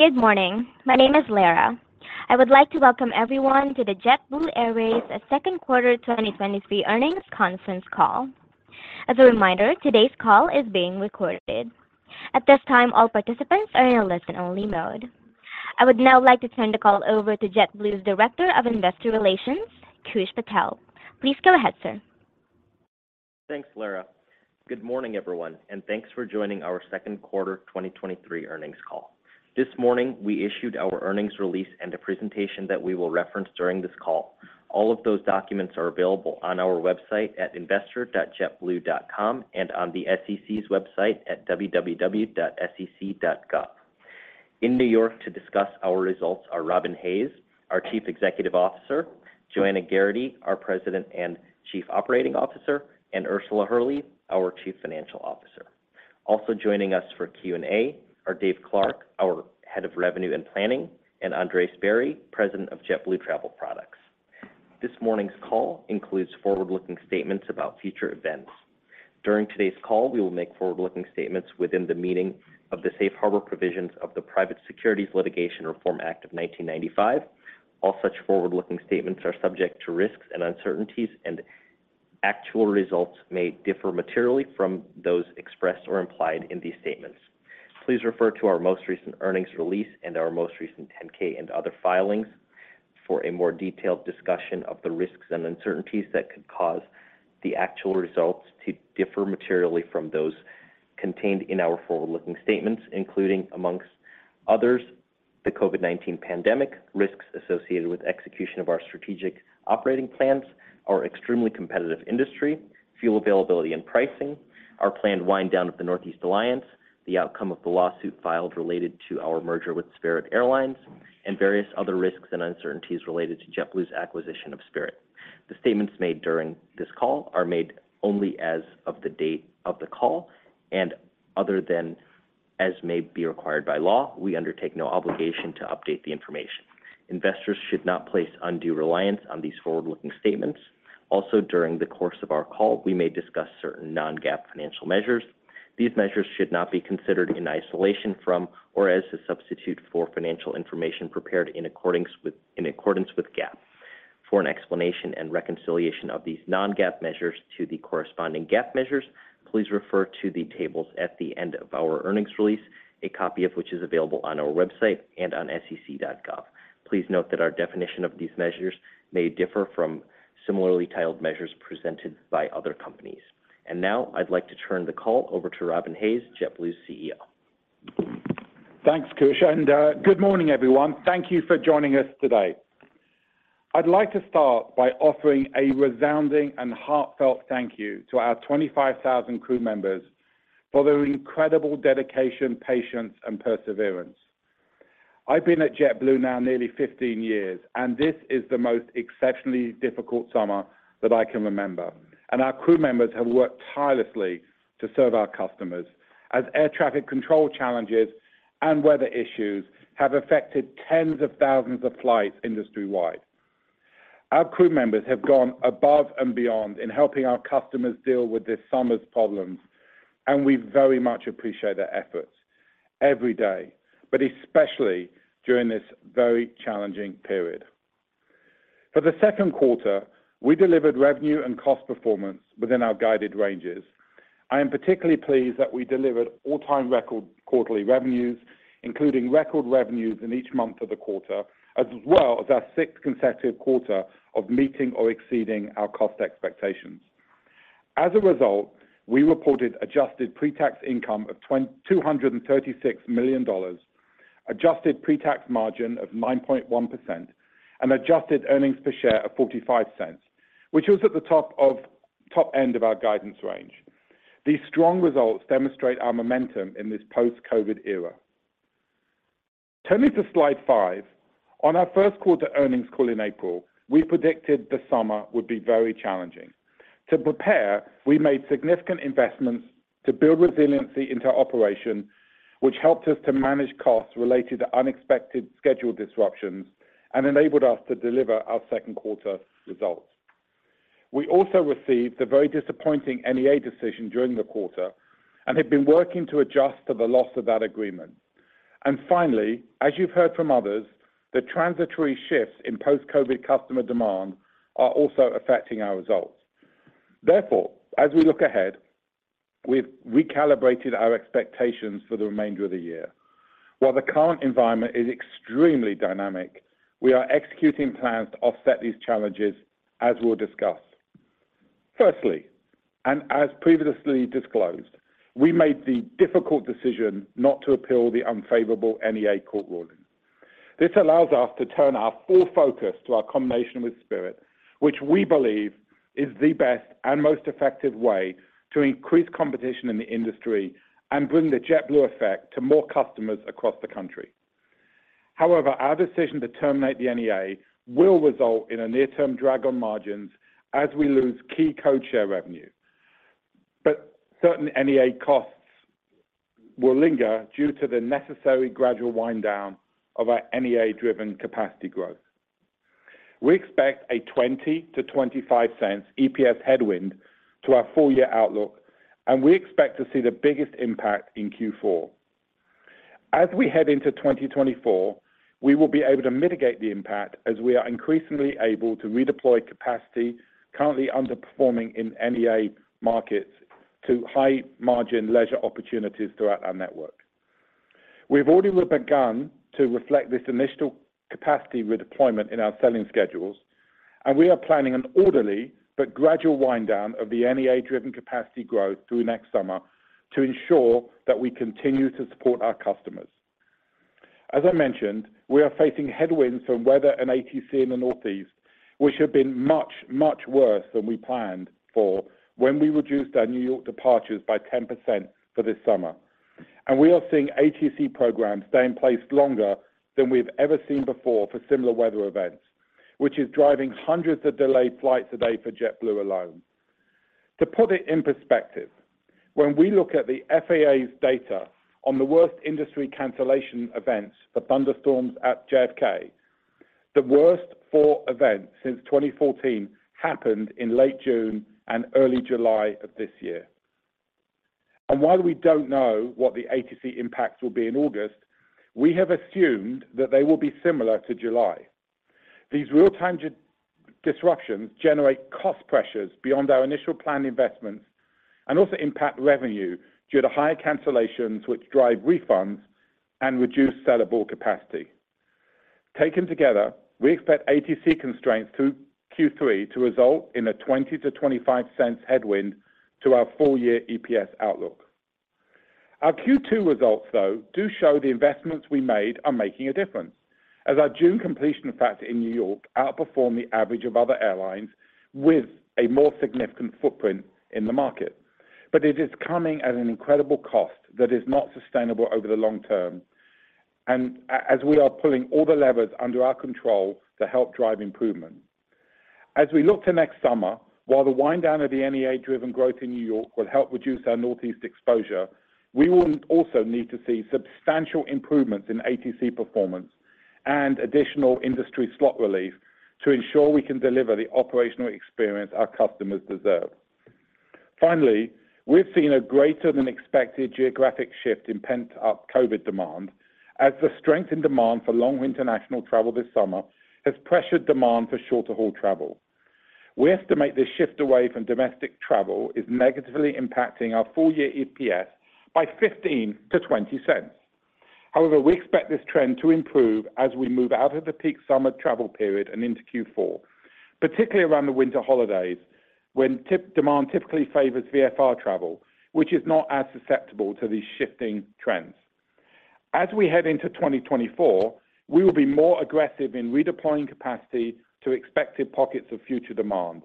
Good morning. My name is Lara. I would like to welcome everyone to the JetBlue Airways second quarter 2023 earnings conference call. As a reminder today's call is being recorded. At this time all participants are in a listen-only mode. I would now like to turn the call over to JetBlue's Director of Investor Relations, Koosh Patel. Please go ahead, sir. Thanks, Lara. Good morning everyone, thanks for joining our second quarter 2023 earnings call. This morning, we issued our earnings release and a presentation that we will reference during this call. All of those documents are available on our website at investor.jetblue.com and on the SEC's website at www.sec.gov. In New York to discuss our results are Robin Hayes, our Chief Executive Officer, Joanna Geraghty, our President and Chief Operating Officer, and Ursula Hurley, our Chief Financial Officer. Also joining us for Q&A are Dave Clark, our Head of Revenue and Planning, and Andres Barry, President of JetBlue Travel Products. This morning's call includes forward-looking statements about future events. During today's call, we will make forward-looking statements within the meaning of the Safe Harbor Provisions of the Private Securities Litigation Reform Act of 1995. All such forward-looking statements are subject to risks and uncertainties, and actual results may differ materially from those expressed or implied in these statements. Please refer to our most recent earnings release and our most recent 10-K and other filings for a more detailed discussion of the risks and uncertainties that could cause the actual results to differ materially from those contained in our forward-looking statements, including, amongst others, the COVID-19 pandemic, risks associated with execution of our strategic operating plans, our extremely competitive industry, fuel availability and pricing, our planned wind down of the Northeast Alliance, the outcome of the lawsuit filed related to our merger with Spirit Airlines, and various other risks and uncertainties related to JetBlue's acquisition of Spirit. The statements made during this call are made only as of the date of the call, and other than as may be required by law, we undertake no obligation to update the information. Investors should not place undue reliance on these forward-looking statements. Also, during the course of our call, we may discuss certain non-GAAP financial measures. These measures should not be considered in isolation from or as a substitute for financial information prepared in accordance with, in accordance with GAAP. For an explanation and reconciliation of these non-GAAP measures to the corresponding GAAP measures, please refer to the tables at the end of our earnings release, a copy of which is available on our website and on sec.gov. Please note that our definition of these measures may differ from similarly titled measures presented by other companies. Now, I'd like to turn the call over to Robin Hayes, JetBlue's CEO. Thanks, Kush, and good morning, everyone. Thank you for joining us today. I'd like to start by offering a resounding and heartfelt thank you to our 25,000 crew members for their incredible dedication, patience, and perseverance. I've been at JetBlue now nearly 15 years. This is the most exceptionally difficult summer that I can remember. Our crew members have worked tirelessly to serve our customers as air traffic control challenges and weather issues have affected tens of thousands of flights industry-wide. Our crew members have gone above and beyond in helping our customers deal with this summer's problems, and we very much appreciate their efforts every day, but especially during this very challenging period. For the second quarter, we delivered revenue and cost performance within our guided ranges. I am particularly pleased that we delivered all-time record quarterly revenues, including record revenues in each month of the quarter, as well as our sixth consecutive quarter of meeting or exceeding our cost expectations. As a result, we reported adjusted pre-tax income of $236 million, adjusted pre-tax margin of 9.1%, and adjusted earnings per share of $0.45, which was at the top end of our guidance range. These strong results demonstrate our momentum in this post-COVID era. Turning to slide five, on our first quarter earnings call in April, we predicted the summer would be very challenging. To prepare, we made significant investments to build resiliency into our operation, which helped us to manage costs related to unexpected schedule disruptions and enabled us to deliver our second quarter results. We also received a very disappointing NEA decision during the quarter and have been working to adjust to the loss of that agreement. Finally, as you've heard from others, the transitory shifts in post-COVID customer demand are also affecting our results. Therefore, as we look ahead, we've recalibrated our expectations for the remainder of the year. While the current environment is extremely dynamic, we are executing plans to offset these challenges, as we'll discuss. Firstly, as previously disclosed, we made the difficult decision not to appeal the unfavorable NEA court ruling. This allows us to turn our full focus to our combination with Spirit, which we believe is the best and most effective way to increase competition in the industry and bring the JetBlue effect to more customers across the country. Our decision to terminate the NEA will result in a near-term drag on margins as we lose key code share revenue. Certain NEA costs will linger due to the necessary gradual wind down of our NEA-driven capacity growth. We expect a $0.20-$0.25 EPS headwind to our full year outlook, and we expect to see the biggest impact in Q4. As we head into 2024, we will be able to mitigate the impact as we are increasingly able to redeploy capacity currently underperforming in NEA markets to high-margin leisure opportunities throughout our network. We've already begun to reflect this initial capacity redeployment in our selling schedules, and we are planning an orderly but gradual wind down of the NEA-driven capacity growth through next summer to ensure that we continue to support our customers. As I mentioned, we are facing headwinds from weather and ATC in the Northeast, which have been much, much worse than we planned for when we reduced our New York departures by 10% for this summer. We are seeing ATC programs stay in place longer than we've ever seen before for similar weather events, which is driving hundreds of delayed flights a day for JetBlue alone. To put it in perspective, when we look at the FAA's data on the worst industry cancellation events for thunderstorms at JFK, the worst four events since 2014 happened in late June and early July of this year. While we don't know what the ATC impacts will be in August, we have assumed that they will be similar to July. These real-time disruptions generate cost pressures beyond our initial planned investments and also impact revenue due to higher cancellations, which drive refunds and reduce sellable capacity. Taken together, we expect ATC constraints through Q3 to result in a $0.20-$0.25 headwind to our full-year EPS outlook. Our Q2 results, though, do show the investments we made are making a difference, as our June completion factor in New York outperformed the average of other airlines with a more significant footprint in the market. It is coming at an incredible cost that is not sustainable over the long term, and as we are pulling all the levers under our control to help drive improvement. As we look to next summer, while the wind down of the NEA-driven growth in New York will help reduce our Northeast exposure we will also need to see substantial improvements in ATC performance and additional industry slot relief to ensure we can deliver the operational experience our customers deserve. Finally, we've seen a greater than expected geographic shift in pent-up COVID demand as the strength in demand for long international travel this summer has pressured demand for shorter-haul travel. We estimate this shift away from domestic travel is negatively impacting our full-year EPS by $0.15-$0.20. However, we expect this trend to improve as we move out of the peak summer travel period and into Q4 particularly around the winter holidays when tip demand typically favors VFR travel which is not as susceptible to these shifting trends. As we head into 2024, we will be more aggressive in redeploying capacity to expected pockets of future demand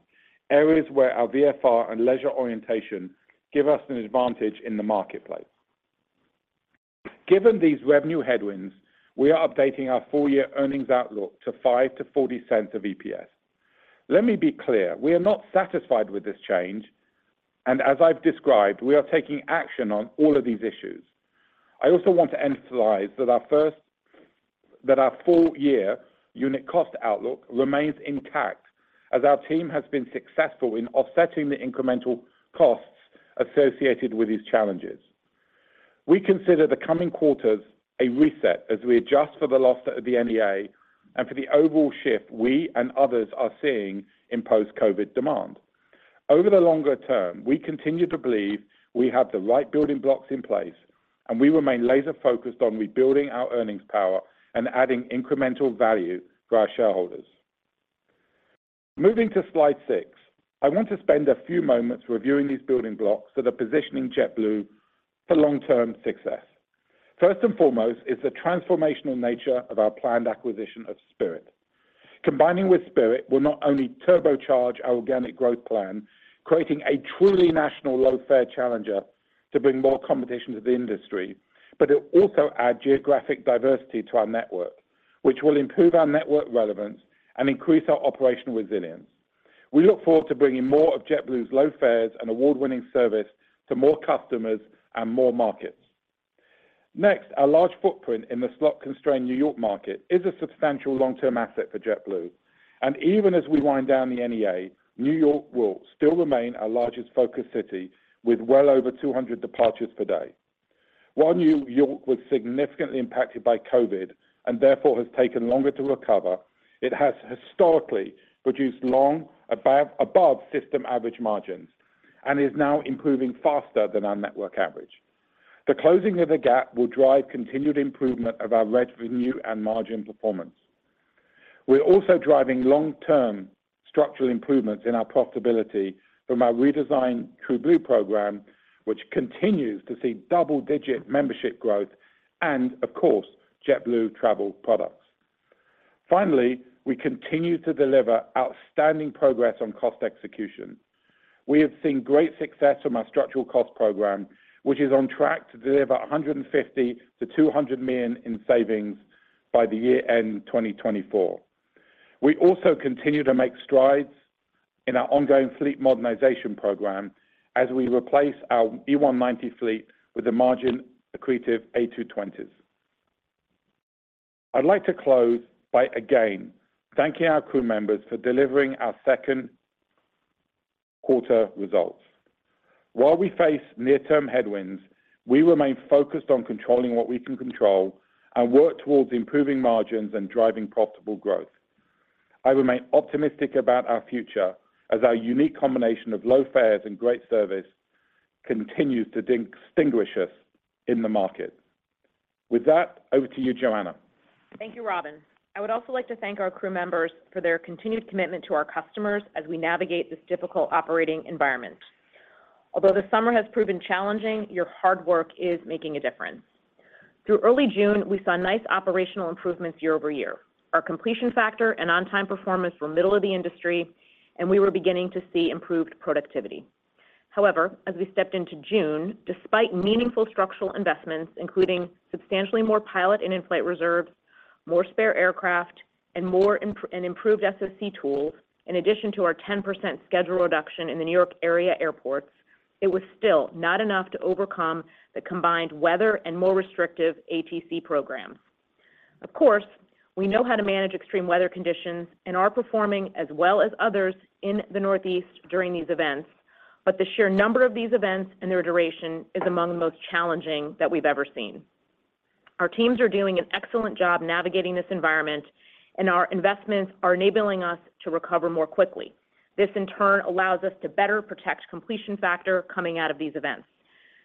areas where our VFR and leisure orientation give us an advantage in the marketplace. Given these revenue headwinds, we are updating our full-year earnings outlook to $0.05-$0.40 of EPS. Let me be clear, we are not satisfied with this change, and as I've described, we are taking action on all of these issues. I also want to emphasize that our full-year unit cost outlook remains intact as our team has been successful in offsetting the incremental costs associated with these challenges. We consider the coming quarters a reset as we adjust for the loss of the NEA and for the overall shift we and others are seeing in post-COVID demand. Over the longer term, we continue to believe we have the right building blocks in place, and we remain laser-focused on rebuilding our earnings power and adding incremental value for our shareholders. Moving to slide 6, I want to spend a few moments reviewing these building blocks that are positioning JetBlue for long-term success. First and foremost is the transformational nature of our planned acquisition of Spirit. Combining with Spirit will not only turbocharge our organic growth plan creating a truly national low-fare challenger to bring more competition to the industry, but it will also add geographic diversity to our network which will improve our network relevance and increase our operational resilience. We look forward to bringing more of JetBlue's low fares and award-winning service to more customers and more markets. Next our large footprint in the slot-constrained New York market is a substantial long-term asset for JetBlue and even as we wind down the NEA New York will still remain our largest focus city with well over 200 departures per day. While New York was significantly impacted by COVID and therefore has taken longer to recover it has historically produced long, above system average margins and is now improving faster than our network average. The closing of the gap will drive continued improvement of our revenue and margin performance. We're also driving long-term structural improvements in our profitability from our redesigned TrueBlue program which continues to see double-digit membership growth and of course JetBlue Travel Products. Finally, we continue to deliver outstanding progress on cost execution. We have seen great success from our structural cost program which is on track to deliver $150 million-$200 million in savings by the year end 2024. We also continue to make strides in our ongoing fleet modernization program as we replace our E190 fleet with the margin-accretive A220s. I'd like to close by again thanking our crew members for delivering our second quarter results. While we face near-term headwinds, we remain focused on controlling what we can control and work towards improving margins and driving profitable growth. I remain optimistic about our future as our unique combination of low fares and great service continues to distinguish us in the market. With that, over to you, Joanna. Thank you Robin. I would also like to thank our crew members for their continued commitment to our customers as we navigate this difficult operating environment. Although the summer has proven challenging your hard work is making a difference. Through early June, we saw nice operational improvements year-over-year. Our completion factor and on-time performance were middle of the industry, and we were beginning to see improved productivity. However, as we stepped into June despite meaningful structural investments including substantially more pilot and in-flight reserves, more spare aircraft, and improved SOC tools, in addition to our 10% schedule reduction in the New York area airports it was still not enough to overcome the combined weather and more restrictive ATC programs. Of course, we know how to manage extreme weather conditions and are performing as well as others in the Northeast during these events the sheer number of these events and their duration is among the most challenging that we've ever seen. Our teams are doing an excellent job navigating this environment, our investments are enabling us to recover more quickly. This in turn allows us to better protect completion factor coming out of these events.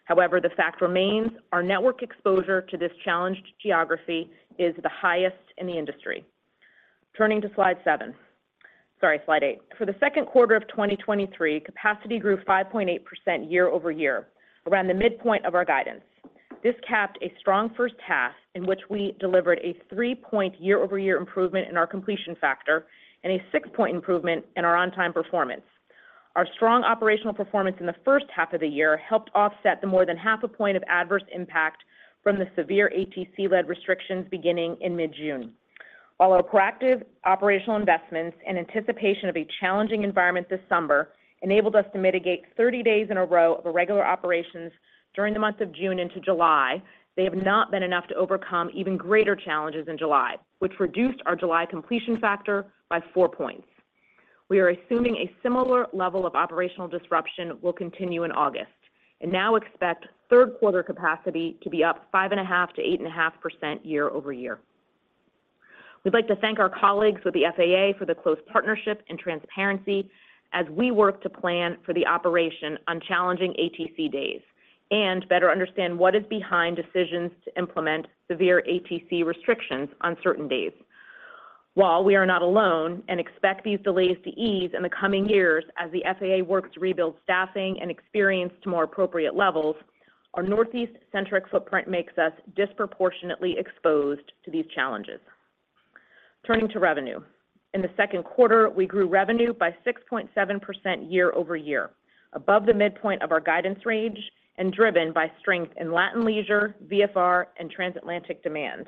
However, the fact remains our network exposure to this challenged geography is the highest in the industry. Turning to slide 7. Sorry, slide 8. For the second quarter of 2023, capacity grew 5.8% year-over-year, around the midpoint of our guidance. This capped a strong first half, in which we delivered a 3-point year-over-year improvement in our completion factor and a 6-point improvement in our on-time performance. Our strong operational performance in the first half of the year helped offset the more than 0.5 points of adverse impact from the severe ATC-led restrictions beginning in mid-June. While our proactive operational investments in anticipation of a challenging environment this summer enabled us to mitigate 30 days in a row of irregular operations during the months of June into July, they have not been enough to overcome even greater challenges in July, which reduced our July completion factor by 4 points. We are assuming a similar level of operational disruption will continue in August and now expect third quarter capacity to be up 5.5%-8.5% year-over-year. We'd like to thank our colleagues with the FAA for the close partnership and transparency as we work to plan for the operation on challenging ATC days and better understand what is behind decisions to implement severe ATC restrictions on certain days. While we are not alone and expect these delays to ease in the coming years as the FAA works to rebuild staffing and experience to more appropriate levels, our Northeast-centric footprint makes us disproportionately exposed to these challenges. Turning to revenue. In the second quarter, we grew revenue by 6.7% year-over-year, above the midpoint of our guidance range and driven by strength in Latin leisure, VFR, and transatlantic demand.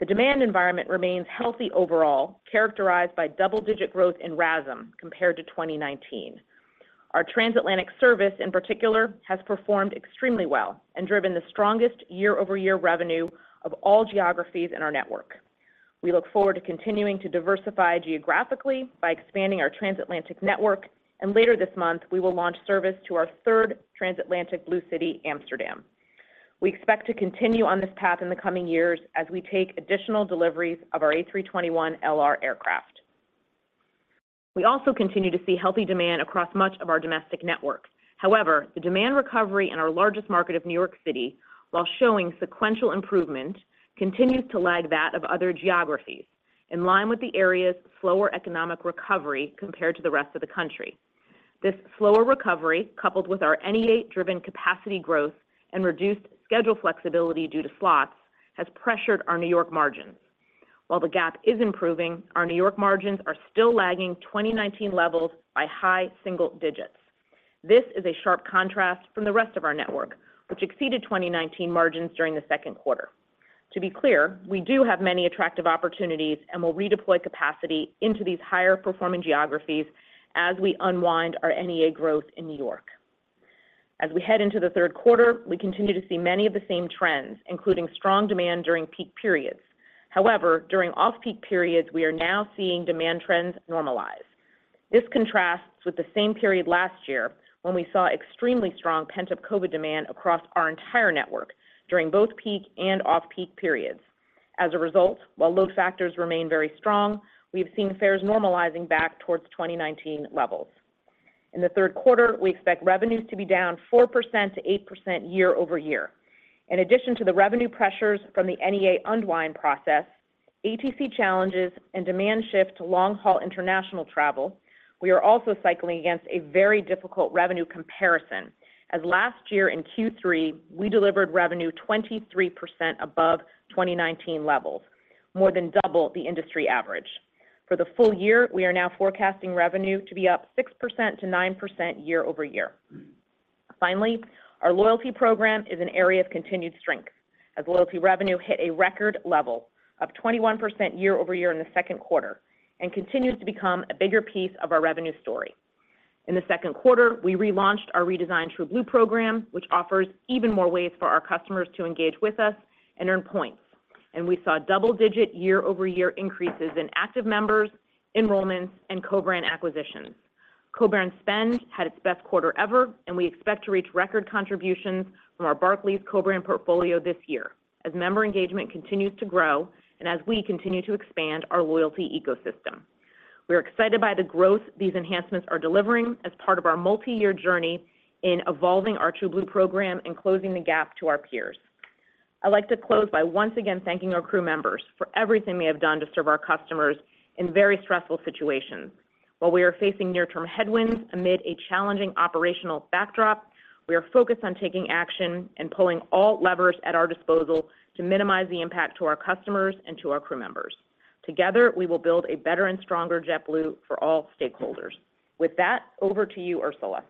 The demand environment remains healthy overall, characterized by double-digit growth in RASM compared to 2019. Our transatlantic service, in particular, has performed extremely well and driven the strongest year-over-year revenue of all geographies in our network. We look forward to continuing to diversify geographically by expanding our transatlantic network. Later this month, we will launch service to our third transatlantic Blue City, Amsterdam. We expect to continue on this path in the coming years as we take additional deliveries of our A321LR aircraft. We also continue to see healthy demand across much of our domestic networks. However, the demand recovery in our largest market of New York City, while showing sequential improvement, continues to lag that of other geographies, in line with the area's slower economic recovery compared to the rest of the country. This slower recovery, coupled with our NEA-driven capacity growth and reduced schedule flexibility due to slots, has pressured our New York margins. While the gap is improving, our New York margins are still lagging 2019 levels by high single digits. This is a sharp contrast from the rest of our network, which exceeded 2019 margins during the second quarter. To be clear, we do have many attractive opportunities and will redeploy capacity into these higher-performing geographies as we unwind our NEA growth in New York. However, as we head into the third quarter, we continue to see many of the same trends, including strong demand during peak periods. During off-peak periods, we are now seeing demand trends normalize. This contrasts with the same period last year, when we saw extremely strong pent-up COVID demand across our entire network during both peak and off-peak periods. As a result, while load factors remain very strong, we have seen fares normalizing back towards 2019 levels. In the third quarter, we expect revenues to be down 4%-8% year-over-year. In addition to the revenue pressures from the NEA unwind process, ATC challenges, and demand shift to long-haul international travel, we are also cycling against a very difficult revenue comparison, as last year in Q3, we delivered revenue 23% above 2019 levels, more than double the industry average. Our loyalty program is an area of continued strength, as loyalty revenue hit a record level of 21% year-over-year in the second quarter and continues to become a bigger piece of our revenue story. In the second quarter, we relaunched our redesigned TrueBlue program, which offers even more ways for our customers to engage with us and earn points. We saw double-digit year-over-year increases in active members, enrollments, and co-brand acquisitions. Co-brand spend had its best quarter ever. We expect to reach record contributions from our Barclays co-brand portfolio this year as member engagement continues to grow and as we continue to expand our loyalty ecosystem. We are excited by the growth these enhancements are delivering as part of our multi-year journey in evolving our TrueBlue program and closing the gap to our peers. I'd like to close by once again thanking our crew members for everything they have done to serve our customers in very stressful situations. While we are facing near-term headwinds amid a challenging operational backdrop, we are focused on taking action and pulling all levers at our disposal to minimize the impact to our customers and to our crew members. Together, we will build a better and stronger JetBlue for all stakeholders. With that, over to you, Ursula.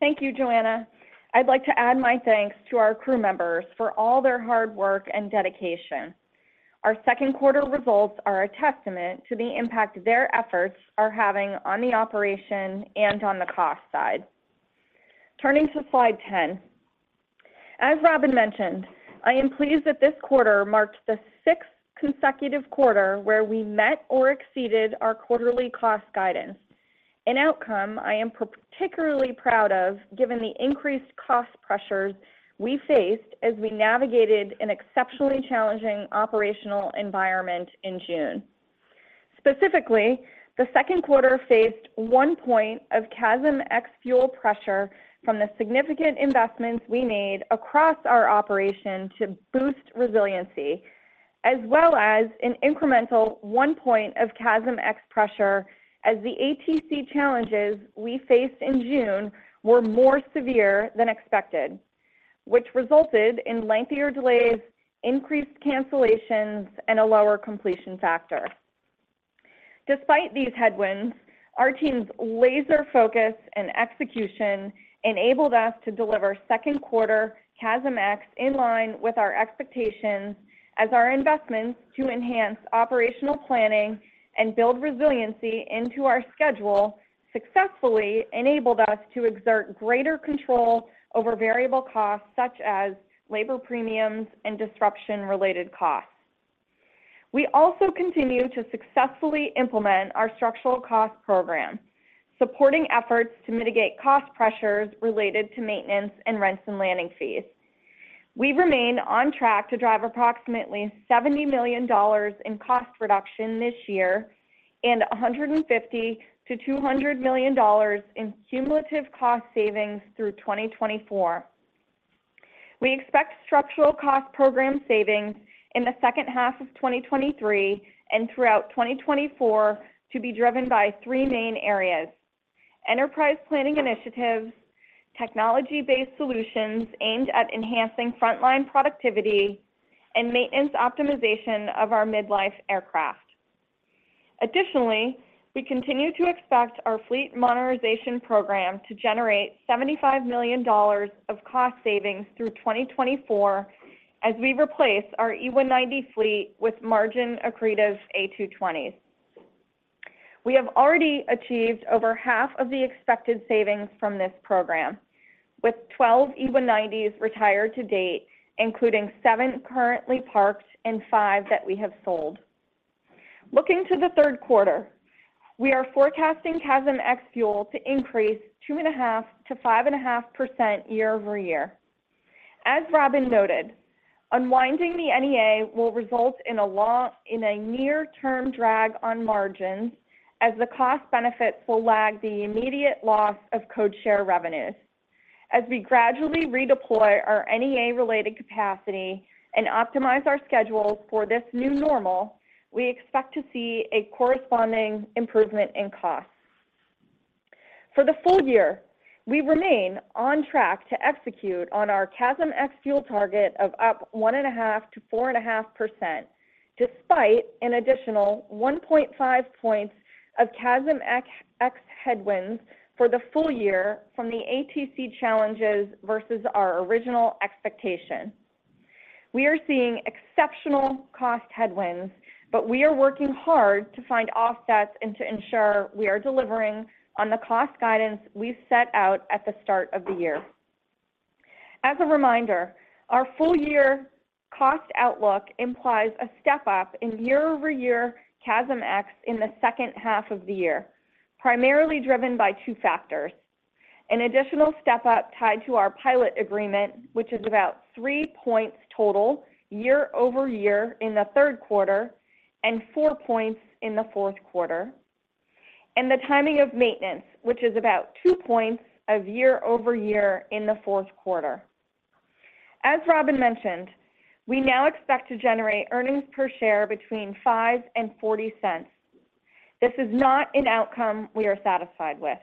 Thank you, Joanna. I'd like to add my thanks to our crew members for all their hard work and dedication. Our second quarter results are a testament to the impact their efforts are having on the operation and on the cost side. Turning to slide 10. As Robin mentioned, I am pleased that this quarter marked the sixth consecutive quarter where we met or exceeded our quarterly cost guidance, an outcome I am particularly proud of, given the increased cost pressures we faced as we navigated an exceptionally challenging operational environment in June. Specifically, the second quarter faced one point of CASM ex fuel pressure from the significant investments we made across our operation to boost resiliency, as well as an incremental 1 point of CASM ex pressure as the ATC challenges we faced in June were more severe than expected, which resulted in lengthier delays, increased cancellations, and a lower completion factor. Despite these headwinds, our team's laser focus and execution enabled us to deliver second quarter CASM-ex in line with our expectations as our investments to enhance operational planning and build resiliency into our schedule successfully enabled us to exert greater control over variable costs, such as labor premiums and disruption-related costs. We also continued to successfully implement our structural cost program, supporting efforts to mitigate cost pressures related to maintenance and rents and landing fees. We remain on track to drive approximately $70 million in cost reduction this year and $150 million-$200 million in cumulative cost savings through 2024. We expect structural cost program savings in the second half of 2023 and throughout 2024 to be driven by three main areas: enterprise planning initiatives, technology-based solutions aimed at enhancing frontline productivity, and maintenance optimization of our midlife aircraft. We continue to expect our fleet modernization program to generate $75 million of cost savings through 2024 as we replace our E190 fleet with margin-accretive A220s. We have already achieved over half of the expected savings from this program, with 12 E190s retired to date, including seven currently parked and five that we have sold. Looking to the third quarter, we are forecasting CASM ex-fuel to increase 2.5%-5.5% year-over-year. As Robin noted, unwinding the NEA will result in a near-term drag on margins, as the cost benefits will lag the immediate loss of codeshare revenues. As we gradually redeploy our NEA-related capacity and optimize our schedules for this new normal, we expect to see a corresponding improvement in costs. For the full year, we remain on track to execute on our CASM ex-fuel target of up 1.5%-4.5%, despite an additional 1.5 points of CASM-ex headwinds for the full year from the ATC challenges versus our original expectation. We are seeing exceptional cost headwinds, but we are working hard to find offsets and to ensure we are delivering on the cost guidance we set out at the start of the year. As a reminder, our full-year cost outlook implies a step-up in year-over-year CASM-ex in the second half of the year, primarily driven by two factors: an additional step-up tied to our pilot agreement, which is about 3 points total year-over-year in the third quarter and 4 points in the fourth quarter, and the timing of maintenance, which is about 2 points of year-over-year in the fourth quarter. As Robin mentioned, we now expect to generate earnings per share between $0.05 and $0.40. This is not an outcome we are satisfied with.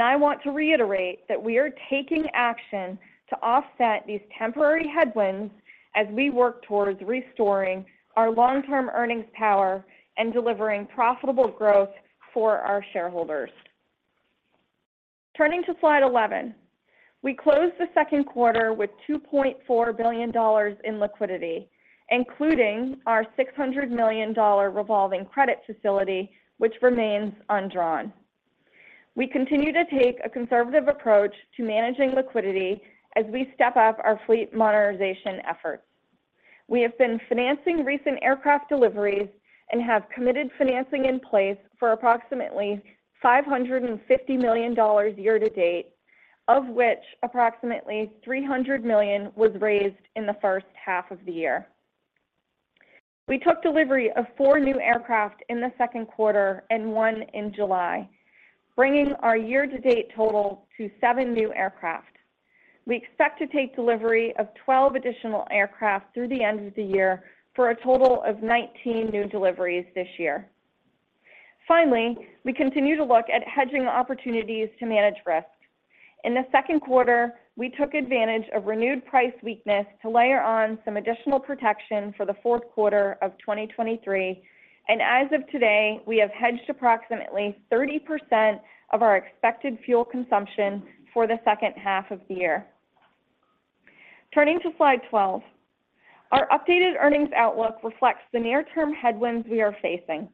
I want to reiterate that we are taking action to offset these temporary headwinds as we work towards restoring our long-term earnings power and delivering profitable growth for our shareholders. Turning to slide 11, we closed the second quarter with $2.4 billion in liquidity, including our $600 million revolving credit facility, which remains undrawn. We continue to take a conservative approach to managing liquidity as we step up our fleet modernization efforts. We have been financing recent aircraft deliveries and have committed financing in place for approximately $550 million year-to-date, of which approximately $300 million was raised in the first half of the year. We took delivery of four new aircraft in the second quarter and one in July, bringing our year-to-date total to seven new aircraft. We expect to take delivery of 12 additional aircraft through the end of the year for a total of 19 new deliveries this year. We continue to look at hedging opportunities to manage risk. In the second quarter, we took advantage of renewed price weakness to layer on some additional protection for the fourth quarter of 2023, and as of today, we have hedged approximately 30% of our expected fuel consumption for the second half of the year. Turning to slide 12, our updated earnings outlook reflects the near-term headwinds we are facing,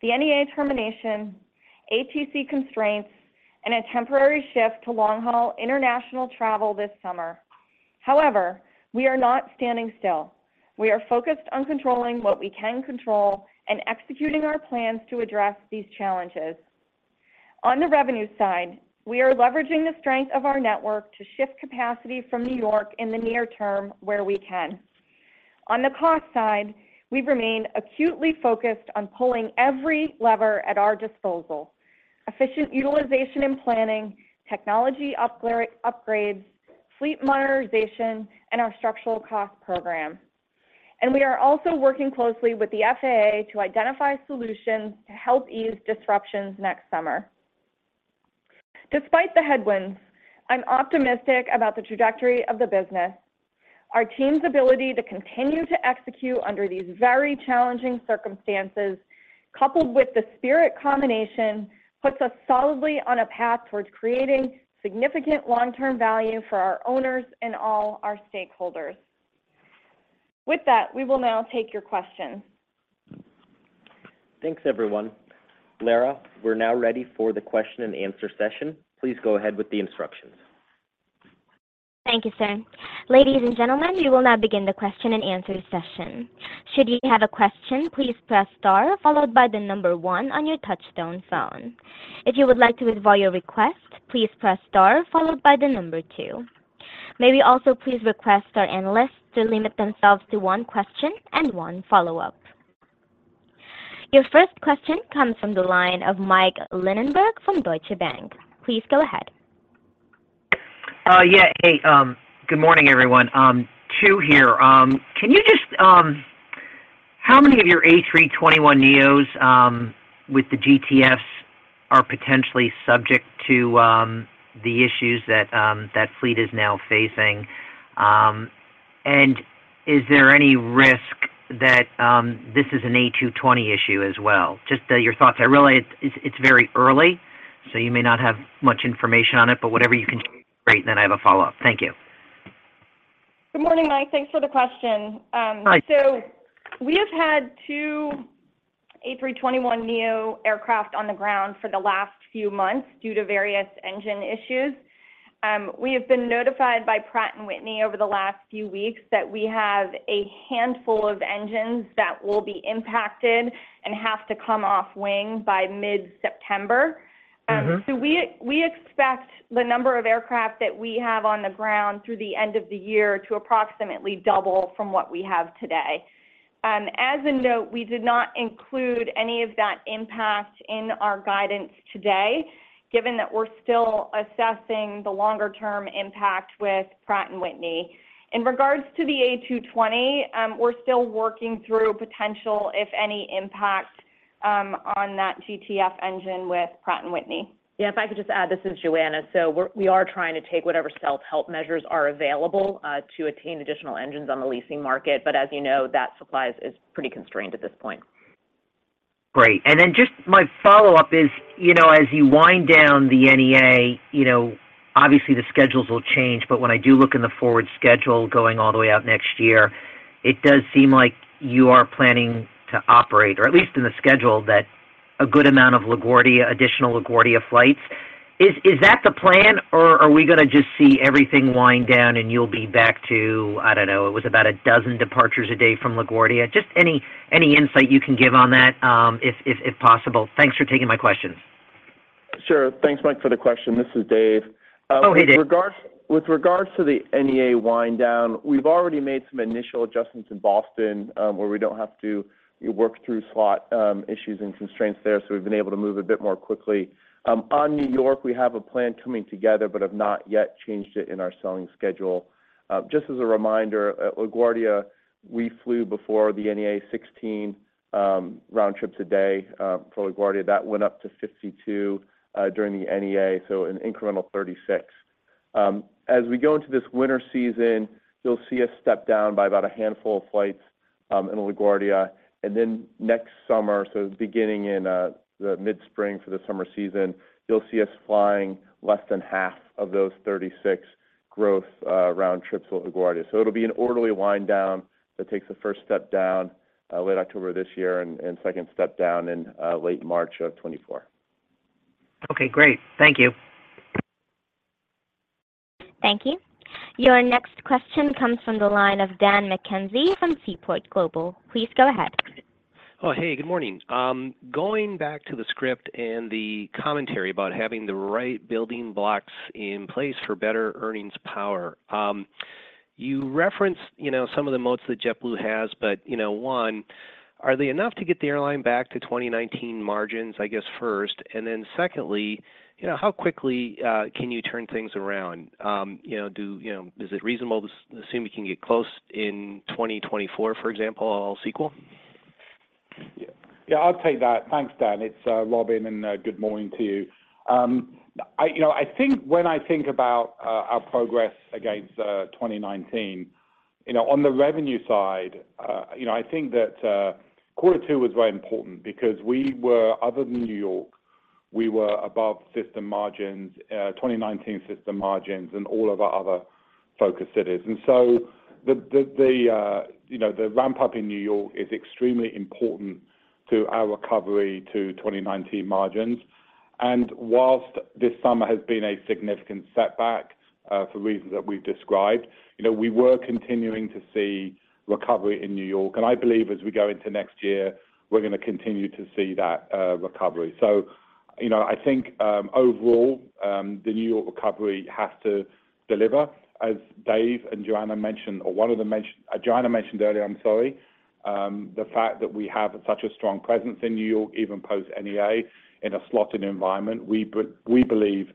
the NEA termination, ATC constraints, and a temporary shift to long-haul international travel this summer. We are not standing still. We are focused on controlling what we can control and executing our plans to address these challenges. On the revenue side, we are leveraging the strength of our network to shift capacity from New York in the near term where we can. On the cost side, we remain acutely focused on pulling every lever at our disposal, efficient utilization and planning, technology upgrades, fleet modernization, and our structural cost program. We are also working closely with the FAA to identify solutions to help ease disruptions next summer. Despite the headwinds, I'm optimistic about the trajectory of the business. Our team's ability to continue to execute under these very challenging circumstances, coupled with the Spirit combination, puts us solidly on a path towards creating significant long-term value for our owners and all our stakeholders. With that, we will now take your questions. Thanks, everyone. Lara, we're now ready for the question and answer session. Please go ahead with the instructions. Thank you, sir. Ladies and gentlemen, we will now begin the question and answer session. Should you have a question, please press star followed by one on your touch-tone phone. If you would like to withdraw your request, please press star followed by two. May we also please request our analysts to limit themselves to one question and one follow-up? Your first question comes from the line of Michael Linenberg from Deutsche Bank. Please go ahead. Yeah. Hey good morning everyone two here. Can you just how many of your A321neos with the GTFs are potentially subject to the issues that that fleet is now facing? Is there any risk that this is an A220 issue as well? Just your thoughts. I realize it's, it's very early, so you may not have much information on it, but whatever you can share would be great. I have a follow-up. Thank you. Good morning, Mike. Thanks for the question. Hi. We have had 2 A321neo aircraft on the ground for the last few months due to various engine issues. We have been notified by Pratt & Whitney over the last few weeks that we have a handful of engines that will be impacted and have to come off wing by mid-September. Mm-hmm. We expect the number of aircraft that we have on the ground through the end of the year to approximately double from what we have today. As a note, we did not include any of that impact in our guidance today, given that we're still assessing the longer-term impact with Pratt & Whitney. In regards to the A220, we're still working through potential, if any, impact on that GTF engine with Pratt & Whitney. Yeah, if I could just add, this is Joanna. We are trying to take whatever self-help measures are available, to obtain additional engines on the leasing market, but as you know, that supplies is pretty constrained at this point. Great. Then just my follow-up is, you know, as you wind down the NEA, you know, obviously the schedules will change, but when I do look in the forward schedule going all the way out next year, it does seem like you are planning to operate, or at least in the schedule, that a good amount of LaGuardia additional LaGuardia flights. Is that the plan, or are we going to just see everything wind down and you'll be back to, I don't know, it was about 12 departures a day from LaGuardia? Just any insight you can give on that, if possible. Thanks for taking my questions. Sure. Thanks, Mike, for the question. This is Dave. Oh, hey, Dave. With regards, with regards to the NEA wind down, we've already made some initial adjustments in Boston, where we don't have to work through slot issues and constraints there, so we've been able to move a bit more quickly. On New York, we have a plan coming together, but have not yet changed it in our selling schedule. Just as a reminder, at LaGuardia, we flew before the NEA 16 round trips a day for LaGuardia. That went up to 52 during the NEA, so an incremental 36. As we go into this winter season, you'll see us step down by about a handful of flights in LaGuardia, and then next summer, so beginning in the mid-spring for the summer season, you'll see us flying less than half of those 36 growth round trips with LaGuardia. It'll be an orderly wind down that takes the first step down, late October this year, and, and second step down in, late March of 2024. Okay, great. Thank you. Thank you. Your next question comes from the line of Daniel McKenzie from Seaport Global. Please go ahead. Oh, hey, good morning. Going back to the script and the commentary about having the right building blocks in place for better earnings power. You referenced, you know, some of the moats that JetBlue has, but, you know, one, are they enough to get the airline back to 2019 margins, I guess, first? Then secondly, you know, how quickly, can you turn things around? Is it reasonable to assume you can get close in 2024, for example, all sequel? Yeah, I'll take that. Thanks, Dan. It's Robin, and good morning to you. I, you know, I think when I think about our progress against 2019, you know, on the revenue side, you know, I think that Q2 was very important because we were, other than New York, we were above system margins, 2019 system margins in all of our other focus cities. So the, the, the, you know, the ramp-up in New York is extremely important to our recovery to 2019 margins. Whilst this summer has been a significant setback, for reasons that we've described, you know, we were continuing to see recovery in New York. I believe as we go into next year, we're going to continue to see that recovery. You know, I think, overall, the New York recovery has to deliver. As Dave and Joanna mentioned, or one of them mentioned. Joanna mentioned earlier, I'm sorry, the fact that we have such a strong presence in New York, even post NEA in a slotted environment, we believe,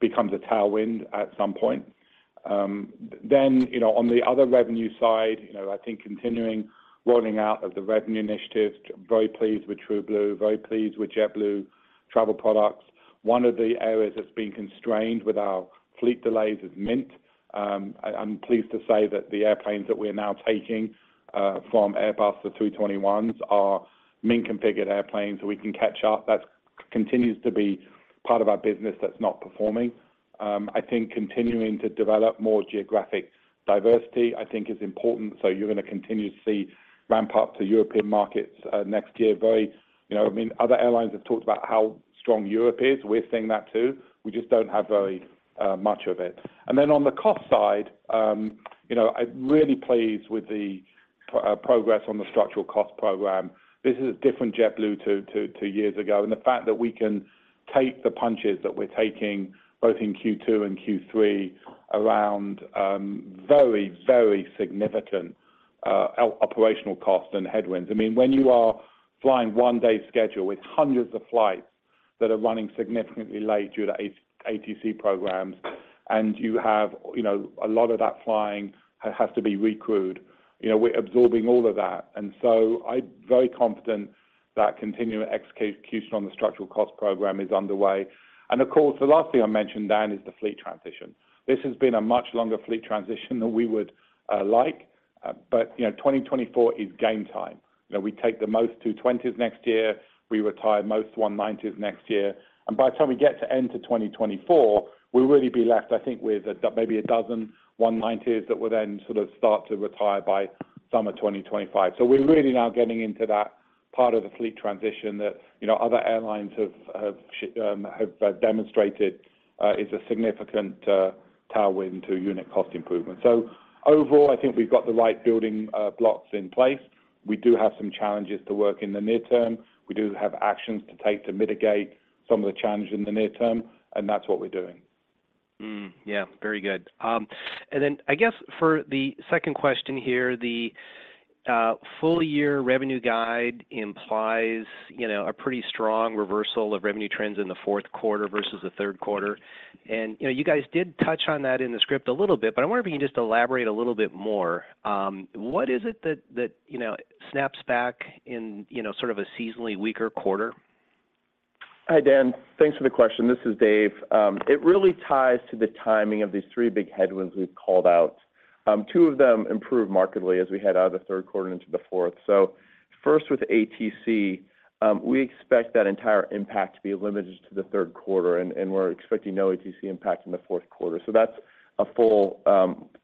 becomes a tailwind at some point. You know, on the other revenue side, you know, I think continuing rolling out of the revenue initiative, very pleased with TrueBlue, very pleased with JetBlue Travel Products. One of the areas that's been constrained with our fleet delays is Mint. I, I'm pleased to say that the airplanes that we're now taking from Airbus, the 321s, are Mint-configured airplanes, so we can catch up. That continues to be part of our business that's not performing. I think continuing to develop more geographic diversity, I think is important. You're going to continue to see ramp-up to European markets next year. Very, you know, I mean, other airlines have talked about how strong Europe is. We're seeing that too. We just don't have very much of it. Then on the cost side, you know, I'm really pleased with the progress on the structural cost program. This is a different JetBlue to, to, to years ago, and the fact that we can take the punches that we're taking both in Q2 and Q3 around very, very significant operational costs and headwinds. I mean, when you are flying one-day schedule with hundreds of flights that are running significantly late due to ATC programs, you have, you know, a lot of that flying has to be recrewed, you know, we're absorbing all of that. I'm very confident that continuing execution on the structural cost program is underway. Of course, the last thing I mentioned, Dan, is the fleet transition. This has been a much longer fleet transition than we would like, you know, 2024 is game time. You know, we take the most A220s next year, we retire most E190s next year, By the time we get to end to 2024, we'll really be left, I think, with maybe a dozen E190s that will then sort of start to retire by summer 2025. We're really now getting into that part of the fleet transition that, you know, other airlines have, have, have demonstrated, is a significant tailwind to unit cost improvement. Overall, I think we've got the right building blocks in place. We do have some challenges to work in the near term. We do have actions to take to mitigate some of the challenges in the near term, and that's what we're doing. Yeah, very good. I guess for the second question here, the full year revenue guide implies, you know, a pretty strong reversal of revenue trends in the fourth quarter versus the third quarter. You know, you guys did touch on that in the script a little bit, but I wonder if you can just elaborate a little bit more. What is it that, that, you know, snaps back in, you know, sort of a seasonally weaker quarter? Hi, Dan. Thanks for the question. This is Dave. It really ties to the timing of these three big headwinds we've called out. Two of them improved markedly as we head out of the third quarter into the fourth. First with ATC, we expect that entire impact to be limited to the third quarter, and, and we're expecting no ATC impact in the fourth quarter. That's a full,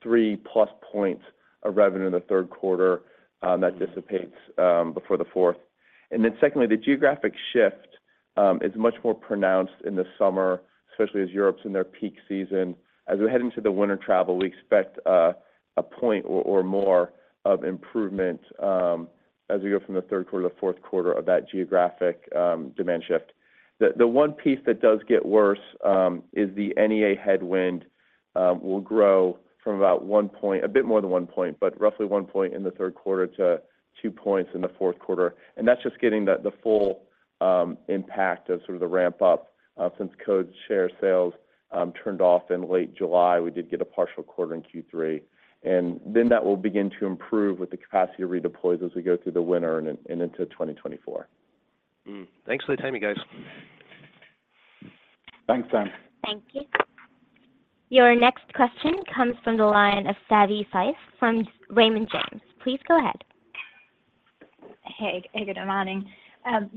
three plus points of revenue in the third quarter, that dissipates, before the fourth. Secondly, the geographic shift, is much more pronounced in the summer, especially as Europe's in their peak season. As we head into the winter travel, we expect a point or, or more of improvement, as we go from the third quarter to the fourth quarter of that geographic, demand shift. The, the 1 piece that does get worse, is the NEA headwind, will grow from about 1 point, a bit more than 1 point, but roughly 1 point in the third quarter to two points in the fourth quarter. That's just getting the, the full, impact of sort of the ramp up. Since code share sales, turned off in late July, we did get a partial quarter in Q3. Then that will begin to improve with the capacity redeploys as we go through the winter and, and into 2024. Thanks for the time, you guys. Thanks, Dan. Thank you. Your next question comes from the line of Savanthi Syth from Raymond James. Please go ahead. Hey, hey, good morning.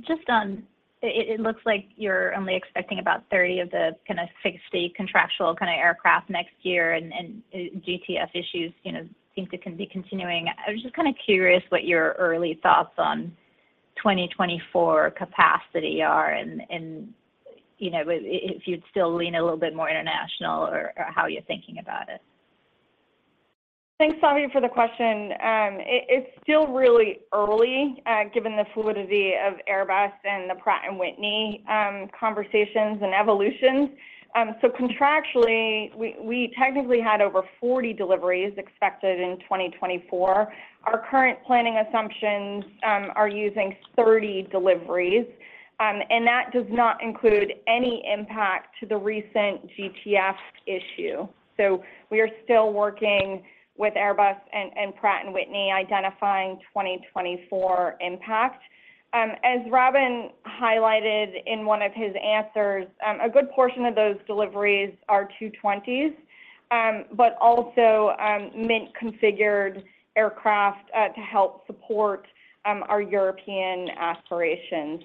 Just on, it, it looks like you're only expecting about 30 of the kind of 60 contractual kind of aircraft next year, and GTF issues, you know, think it can be continuing. I was just kind of curious what your early thoughts on 2024 capacity are, and, you know, if you'd still lean a little bit more international or how you're thinking about it. Thanks, Savi, for the question. It's still really early, given the fluidity of Airbus and Pratt & Whitney conversations and evolutions. Contractually, we technically had over 40 deliveries expected in 2024. Our current planning assumptions are using 30 deliveries, and that does not include any impact to the recent GTF issue. We are still working with Airbus and Pratt & Whitney identifying 2024 impact. As Robin highlighted in one of his answers, a good portion of those deliveries are A220s, but also Mint-configured aircraft to help support our European aspirations.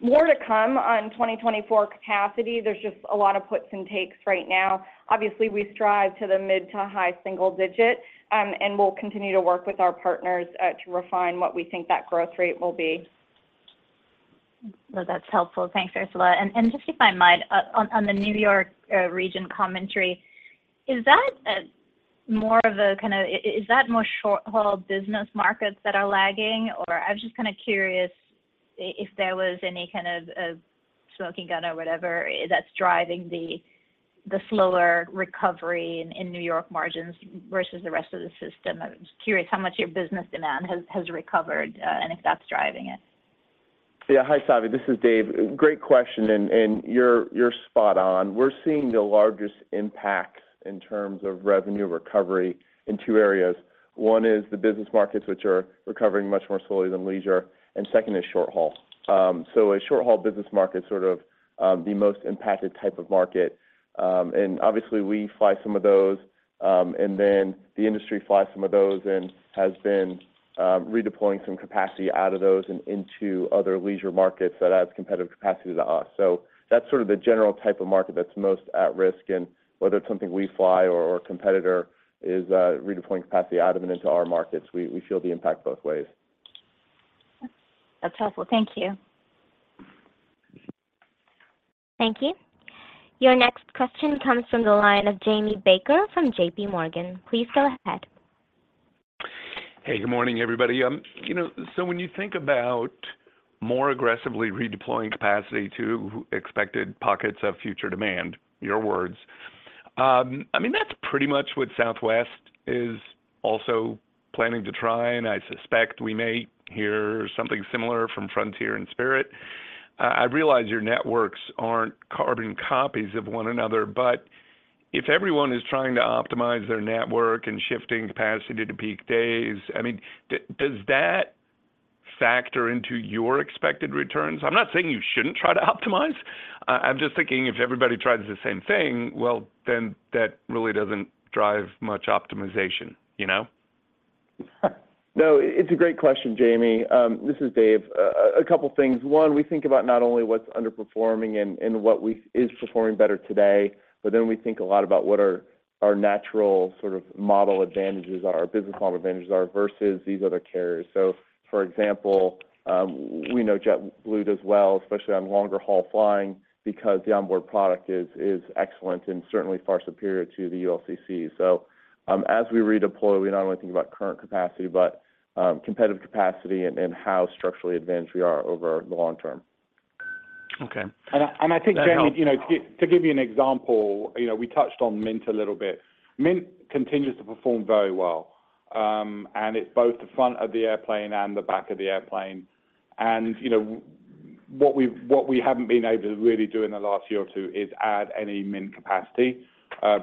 More to come on 2024 capacity. There's just a lot of puts and takes right now. Obviously, we strive to the mid to high single digit, and we'll continue to work with our partners, to refine what we think that growth rate will be. Well, that's helpful. Thanks, Ursula. Just if I might, on, on the New York region commentary, is that more of a kind of... is that more short-haul business markets that are lagging, or? I was just kind of curious if there was any kind of smoking gun or whatever, that's driving the slower recovery in New York margins versus the rest of the system. I'm just curious how much your business demand has, has recovered, and if that's driving it. Yeah. Hi, Savi, this is Dave. Great question, and, and you're, you're spot on. We're seeing the largest impacts in terms of revenue recovery in two areas. One is the business markets, which are recovering much more slowly than leisure, and second is short haul. A short-haul business market, sort of, the most impacted type of market. Obviously, we fly some of those, and then the industry flies some of those and has been redeploying some capacity out of those and into other leisure markets that adds competitive capacity to us. That's sort of the general type of market that's most at risk, and whether it's something we fly or, or a competitor is redeploying capacity out of it into our markets, we, we feel the impact both ways. That's helpful. Thank you. Thank you. Your next question comes from the line of Jamie Baker from J.P. Morgan. Please go ahead. Hey, good morning, everybody. You know, so when you think about more aggressively redeploying capacity to expected pockets of future demand, your words, I mean, that's pretty much what Southwest is also planning to try, and I suspect we may hear something similar from Frontier and Spirit. I realize your networks aren't carbon copies of one another, but if everyone is trying to optimize their network and shifting capacity to peak days, I mean, does that factor into your expected returns? I'm not saying you shouldn't try to optimize. I'm just thinking if everybody tries the same thing, well, then that really doesn't drive much optimization, you know? No, it's a great question, Jamie. This is Dave. A couple of things. One, we think about not only what's underperforming and, and is performing better today, but then we think a lot about what are our natural sort of model advantages are, business model advantages are versus these other carriers. For example, we know JetBlue does well, especially on longer haul flying, because the onboard product is, is excellent and certainly far superior to the ULCC. As we redeploy, we not only think about current capacity, but competitive capacity and, and how structurally advantaged we are over the long term. Okay. I, and I think, Jamie... That helps. You know, to give you an example, you know, we touched on Mint a little bit. Mint continues to perform very well. It's both the front of the airplane and the back of the airplane. You know, what we haven't been able to really do in the last year or two is add any Mint capacity,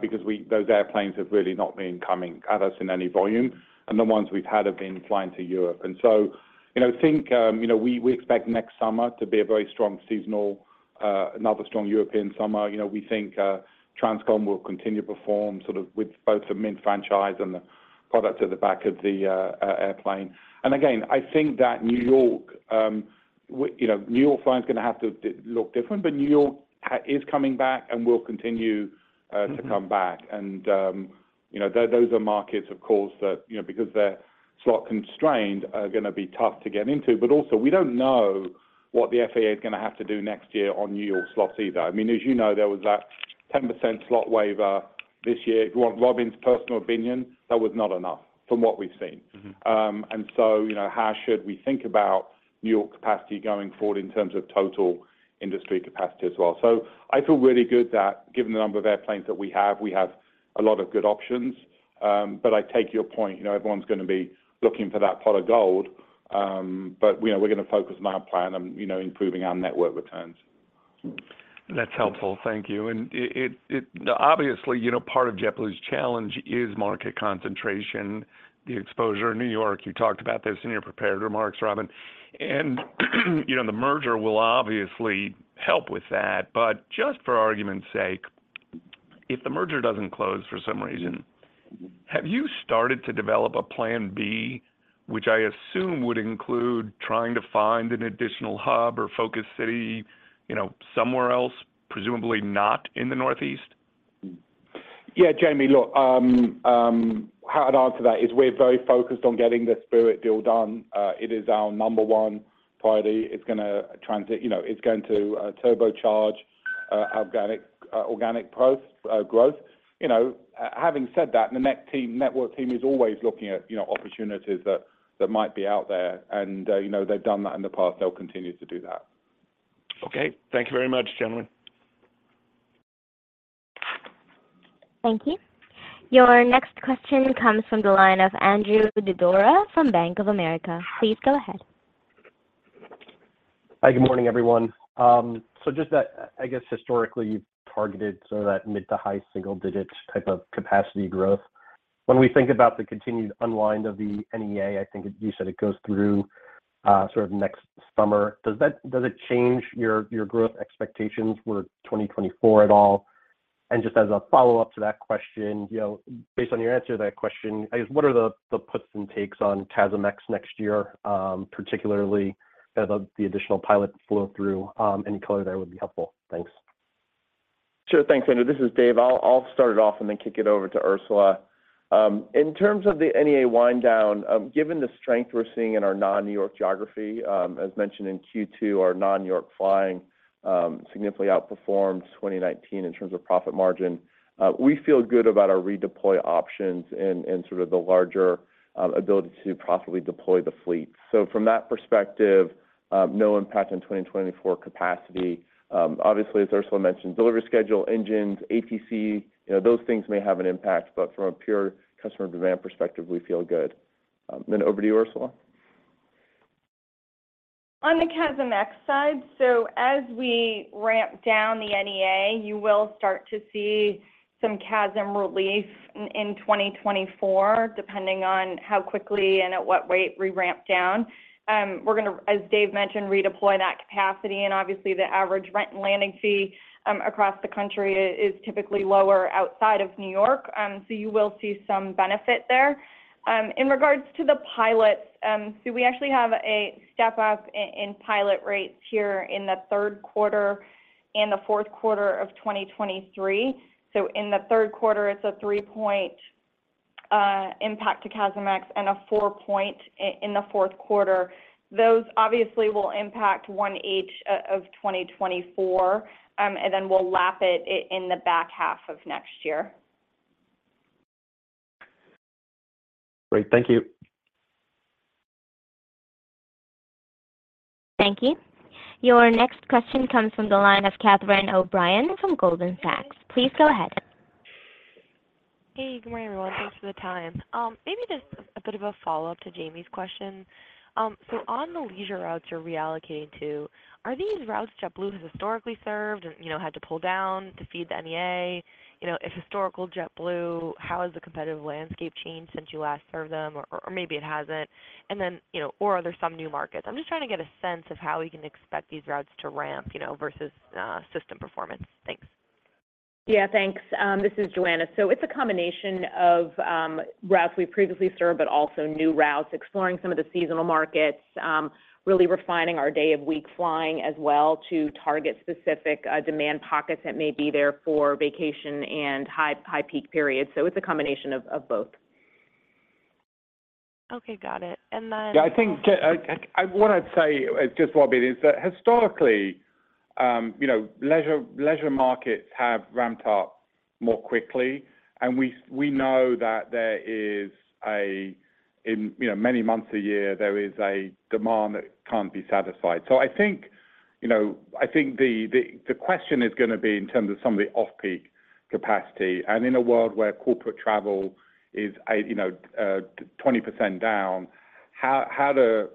because those airplanes have really not been coming at us in any volume, and the ones we've had have been flying to Europe. So, you know, I think, you know, we, we expect next summer to be a very strong seasonal, another strong European summer. You know, we think Transcon will continue to perform sort of with both the Mint franchise and the products at the back of the airplane. Again, I think that New York, you know, New York flying is gonna have to look different, but New York is coming back and will continue. Mm-hmm... to come back. You know, those are markets, of course, that, you know, because they're slot constrained, are gonna be tough to get into. Also, we don't know what the FAA is gonna have to do next year on New York slots either. I mean, as you know, there was that 10% slot waiver this year. If you want Robin's personal opinion, that was not enough from what we've seen. Mm-hmm. So, you know, how should we think about New York capacity going forward in terms of total industry capacity as well? I feel really good that given the number of airplanes that we have, we have a lot of good options. I take your point, you know, everyone's gonna be looking for that pot of gold, but, you know, we're gonna focus on our plan and, you know, improving our network returns. That's helpful. Thank you. It, it, obviously, you know, part of JetBlue's challenge is market concentration, the exposure in New York. You talked about this in your prepared remarks, Robin. You know, the merger will obviously help with that. Just for argument's sake, if the merger doesn't close for some reason, have you started to develop a plan B, which I assume would include trying to find an additional hub or focus city, you know, somewhere else, presumably not in the Northeast? Yeah, Jamie, look, how I'd answer that is we're very focused on getting the Spirit deal done. It is our number one priority. It's gonna you know, it's going to turbocharge organic organic post growth. You know, having said that, the next team- network team is always looking at, you know, opportunities that, that might be out there, and, you know, they've done that in the past. They'll continue to do that. Okay. Thank you very much, gentlemen. Thank you. Your next question comes from the line of Andrew Didora from Bank of America. Please go ahead. Hi, good morning, everyone. Just that, I guess historically, you've targeted so that mid to high single digit type of capacity growth. When we think about the continued unwind of the NEA, I think you said it goes through sort of next summer. Does that-- does it change your, your growth expectations for 2024 at all? Just as a follow-up to that question, you know, based on your answer to that question, I guess, what are the, the puts and takes on CASM ex next year, particularly as of the additional pilot flow through, any color there would be helpful. Thanks. Sure. Thanks, Andrew. This is Dave. I'll, I'll start it off and then kick it over to Ursula. In terms of the NEA wind down, given the strength we're seeing in our non-New York geography, as mentioned in Q2, our non-New York flying, significantly outperformed 2019 in terms of profit margin. We feel good about our redeploy options and, and sort of the larger, ability to profitably deploy the fleet. From that perspective, no impact on 2024 capacity. Obviously, as Ursula mentioned, delivery schedule, engines, ATC, you know, those things may have an impact, but from a pure customer demand perspective, we feel good. Over to you, Ursula. On the CASM ex side, as we ramp down the NEA, you will start to see some CASM relief in 2024, depending on how quickly and at what rate we ramp down. We're gonna, as Dave mentioned, redeploy that capacity, and obviously, the average rent and landing fee across the country is typically lower outside of New York, you will see some benefit there. In regards to the pilots, we actually have a step-up in pilot rates here in the third quarter and the fourth quarter of 2023. In the third quarter, it's a three point impact to CASM ex and a 4-point in the fourth quarter. Those obviously will impact 1H of 2024, then we'll lap it in the back half of next year. Great. Thank you. Thank you. Your next question comes from the line of Catherine O'Brien from Goldman Sachs. Please go ahead. Hey, good morning, everyone. Thanks for the time. Maybe just a bit of a follow-up to Jamie's question. On the leisure routes you're reallocating to, are these routes JetBlue has historically served and, you know, had to pull down to feed the NEA? You know, if historical JetBlue, how has the competitive landscape changed since you last served them, or, or maybe it hasn't, and then, you know, or are there some new markets? I'm just trying to get a sense of how we can expect these routes to ramp, you know, versus system performance. Thanks. Yeah, thanks. This is Joanna. It's a combination of routes we previously served, but also new routes, exploring some of the seasonal markets, really refining our day of week flying as well to target specific demand pockets that may be there for vacation and high, high peak periods. It's a combination of both. Okay, got it. And then- Yeah, I think, I, what I'd say, just one bit, is that historically, you know, leisure markets have ramped up more quickly, and we know that there is a, in, you know, many months a year, there is a demand that can't be satisfied. I think, you know, I think the question is gonna be in terms of some of the off-peak capacity, and in a world where corporate travel is, you know, 20% down, how do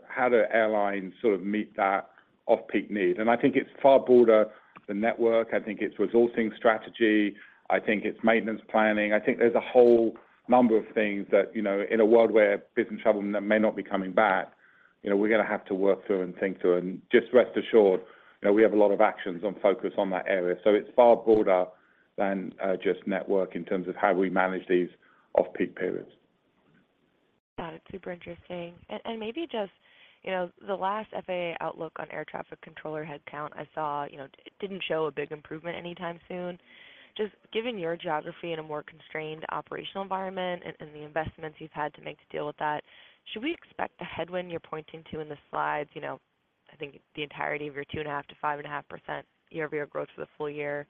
airlines sort of meet that off-peak need? I think it's far broader the network. I think it's resourcing strategy. I think it's maintenance planning. I think there's a whole number of things that, you know, in a world where business travel may not be coming back, you know, we're gonna have to work through and think through. just rest assured, you know, we have a lot of actions on focus on that area. it's far broader than just network in terms of how we manage these off-peak periods. Got it. Super interesting. Maybe just, you know, the last FAA outlook on air traffic controller headcount, I saw, you know, it didn't show a big improvement anytime soon. Just given your geography in a more constrained operational environment and, and the investments you've had to make to deal with that, should we expect the headwind you're pointing to in the slides, you know, I think the entirety of your 2.5%-5.5% year-over-year growth for the full year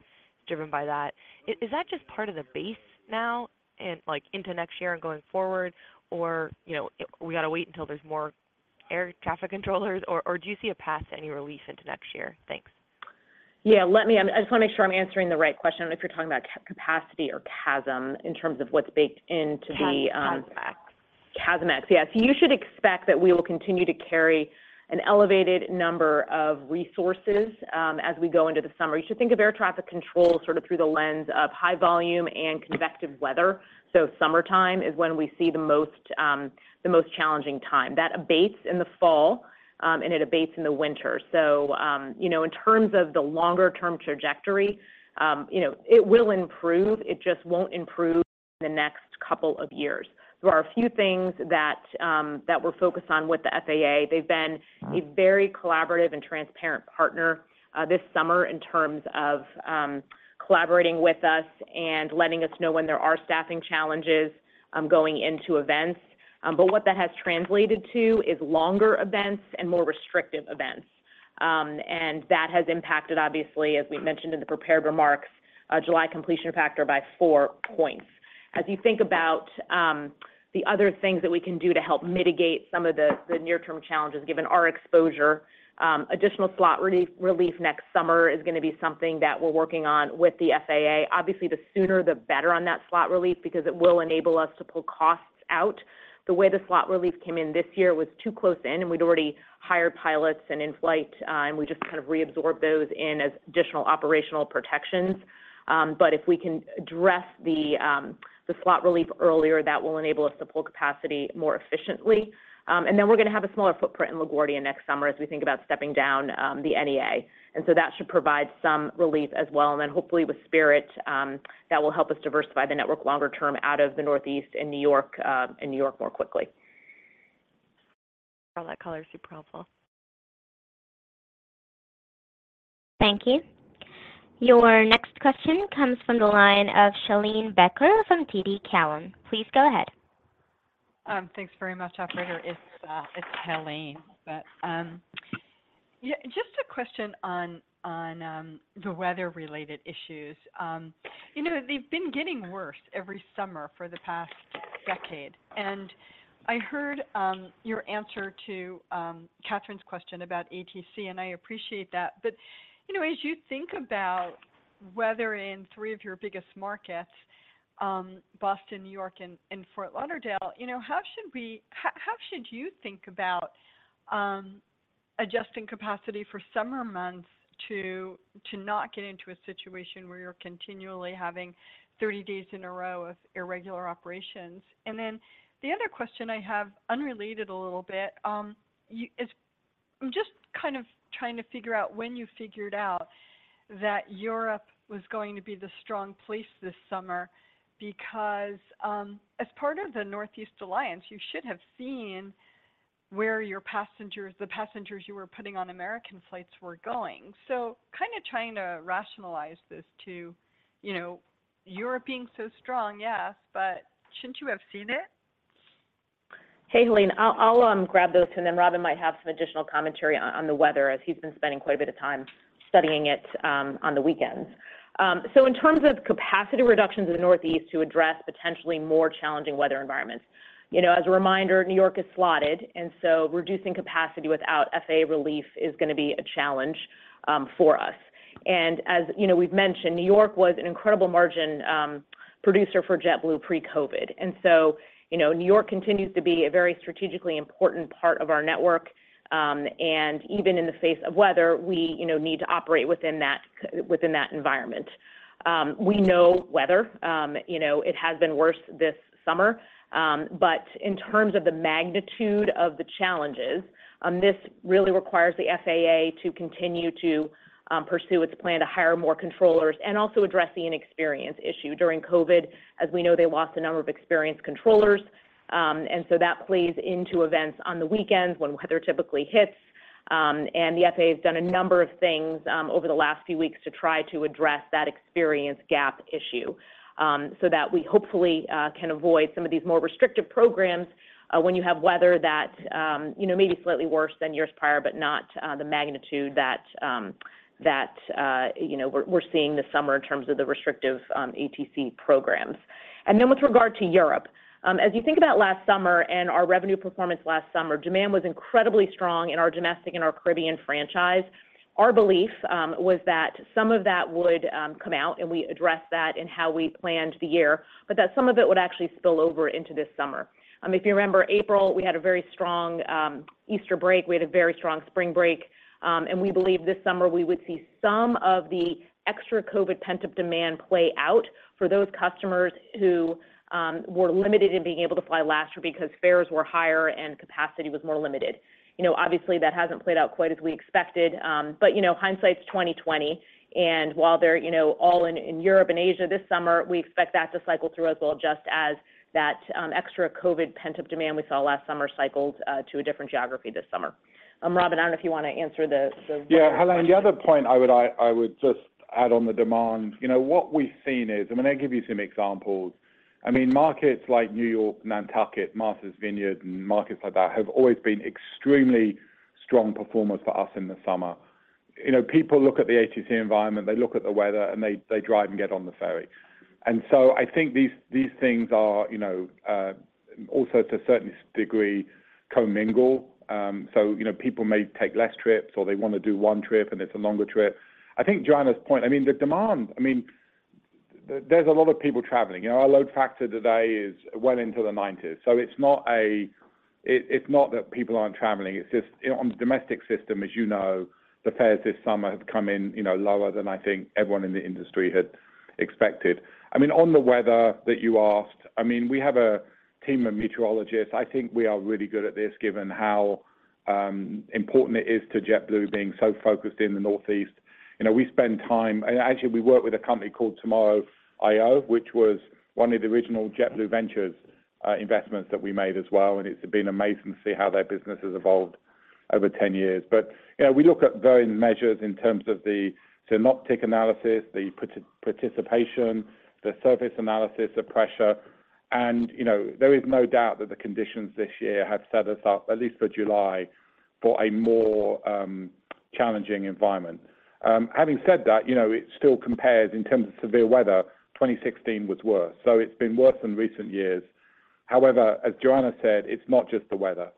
driven by that? Is that just part of the base now and, like, into next year and going forward, or, you know, we got to wait until there's more air traffic controllers, or, or do you see a path to any relief into next year? Thanks. Yeah, let me I just want to make sure I'm answering the right question, if you're talking about capacity or CASM, in terms of what's baked into the. CASM. Got it. CASM ex, yes. You should expect that we will continue to carry an elevated number of resources, as we go into the summer. You should think of air traffic control sort of through the lens of high volume and convective weather. Summertime is when we see the most, the most challenging time. That abates in the fall, and it abates in the winter. You know, in terms of the longer-term trajectory, you know, it will improve. It just won't improve in the next couple of years. There are a few things that, that we're focused on with the FAA. They've been a very collaborative and transparent partner, this summer in terms of, collaborating with us and letting us know when there are staffing challenges, going into events. What that has translated to is longer events and more restrictive events. That has impacted, obviously, as we mentioned in the prepared remarks, a July completion factor by four points. As you think about, the other things that we can do to help mitigate some of the, the near-term challenges, given our exposure, additional slot relief, relief next summer is going to be something that we're working on with the FAA. Obviously, the sooner, the better on that slot relief, because it will enable us to pull costs out. The way the slot relief came in this year was too close in, and we'd already hired pilots and in flight, and we just kind of reabsorbed those in as additional operational protections. If we can address the, the slot relief earlier, that will enable us to pull capacity more efficiently. Then we're going to have a smaller footprint in LaGuardia next summer as we think about stepping down, the NEA. So that should provide some relief as well, then hopefully with Spirit, that will help us diversify the network longer term out of the Northeast and New York, and New York more quickly. All that color is super helpful. Thank you. Your next question comes from the line of Helane Becker from TD Cowen. Please go ahead. Thanks very much, operator. It's, it's Helane. Yeah, just a question on, on, the weather-related issues. You know, they've been getting worse every summer for the past decade, and I heard, your answer to, Catherine's question about ATC, and I appreciate that. You know, as you think about weather in three of your biggest markets, Boston, New York, and, and Fort Lauderdale, you know, how should you think about adjusting capacity for summer months to, to not get into a situation where you're continually having 30 days in a row of irregular operations? The other question I have, unrelated a little bit, is I'm just kind of trying to figure out when you figured out that Europe was going to be the strong place this summer, because, as part of the Northeast Alliance, you should have seen where your passengers, the passengers you were putting on American flights were going. Kind of trying to rationalize this to, you know, Europe being so strong, yes, but shouldn't you have seen it? Hey, Helane, I'll, I'll grab those, and then Robin might have some additional commentary on, on the weather, as he's been spending quite a bit of time studying it on the weekends. In terms of capacity reductions in the Northeast to address potentially more challenging weather environments, you know, as a reminder, New York is slotted, and so reducing capacity without FAA relief is going to be a challenge for us. As you know, we've mentioned, New York was an incredible margin producer for JetBlue pre-COVID. So, you know, New York continues to be a very strategically important part of our network, and even in the face of weather, we, you know, need to operate within that, within that environment. We know weather, you know, it has been worse this summer, but in terms of the magnitude of the challenges, this really requires the FAA to continue to pursue its plan to hire more controllers and also address the inexperience issue. During COVID, as we know, they lost a number of experienced controllers, and so that plays into events on the weekends when weather typically hits. The FAA has done a number of things over the last few weeks to try to address that experience gap issue, so that we hopefully can avoid some of these more restrictive programs, when you have weather that, you know, may be slightly worse than years prior, but not the magnitude that, that, you know, we're, we're seeing this summer in terms of the restrictive, ATC programs. Then with regard to Europe, as you think about last summer and our revenue performance last summer, demand was incredibly strong in our domestic and our Caribbean franchise. Our belief was that some of that would come out, and we addressed that in how we planned the year, but that some of it would actually spill over into this summer. If you remember, April, we had a very strong Easter break. We had a very strong spring break, and we believed this summer we would see some of the extra COVID pent-up demand play out for those customers who were limited in being able to fly last year because fares were higher and capacity was more limited. You know, obviously, that hasn't played out quite as we expected, but, you know, hindsight's 20/20, and while they're, you know, all in, in Europe and Asia this summer, we expect that to cycle through as well, just as that extra COVID pent-up demand we saw last summer cycled to a different geography this summer. Robin, I don't know if you want to answer the. Yeah, Helane, the other point I would just add on the demand, you know, what we've seen is. I'll give you some examples. I mean, markets like New York, Nantucket, Martha's Vineyard, and markets like that have always been extremely strong performers for us in the summer. You know, people look at the ATC environment, they look at the weather, and they, they drive and get on the ferry. I think these things are, you know, also to a certain degree, commingle. You know, people may take less trips, or they want to do one trip, and it's a longer trip. I think Joanna's point. I mean, the demand, there's a lot of people traveling. You know, our load factor today is well into the 90s, so it, it's not that people aren't traveling, it's just, you know, on the domestic system, as you know, the fares this summer have come in, you know, lower than I think everyone in the industry had expected. I mean, on the weather that you asked, I mean, we have a team of meteorologists. I think we are really good at this, given how important it is to JetBlue being so focused in the Northeast. You know, we spend time, actually, we work with a company called Tomorrow.io, which was one of the original JetBlue Ventures investments that we made as well, and it's been amazing to see how their business has evolved over 10 years. You know, we look at various measures in terms of the synoptic analysis, the participation, the surface analysis, the pressure, and you know, there is no doubt that the conditions this year have set us up, at least for July, for a more challenging environment. Having said that, you know, it still compares in terms of severe weather, 2016 was worse, so it's been worse in recent years. However, as Joanna said, it's not just the weather.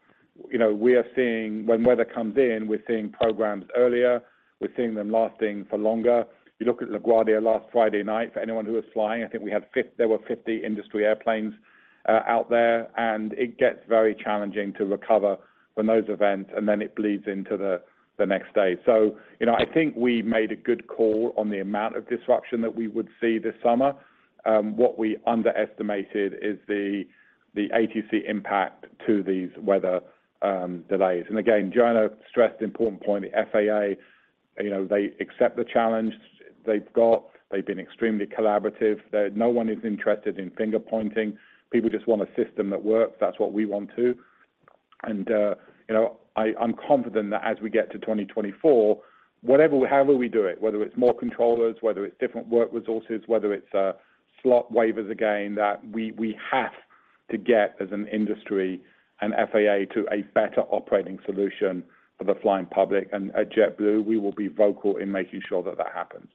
You know, when weather comes in, we're seeing programs earlier, we're seeing them lasting for longer. You look at LaGuardia last Friday night, for anyone who was flying, I think we had 50 there were 50 industry airplanes out there, and it gets very challenging to recover from those events, and then it bleeds into the, the next day. You know, I think we made a good call on the amount of disruption that we would see this summer. What we underestimated is the, the ATC impact to these weather delays. Again, Joanna stressed the important point, the FAA, you know, they accept the challenge they've got. They've been extremely collaborative. No one is interested in finger-pointing. People just want a system that works. That's what we want, too. You know, I, I'm confident that as we get to 2024, whatever, however we do it, whether it's more controllers, whether it's different work resources, whether it's slot waivers, again, that we, we have to get as an industry, an FAA to a better operating solution for the flying public. At JetBlue, we will be vocal in making sure that that happens.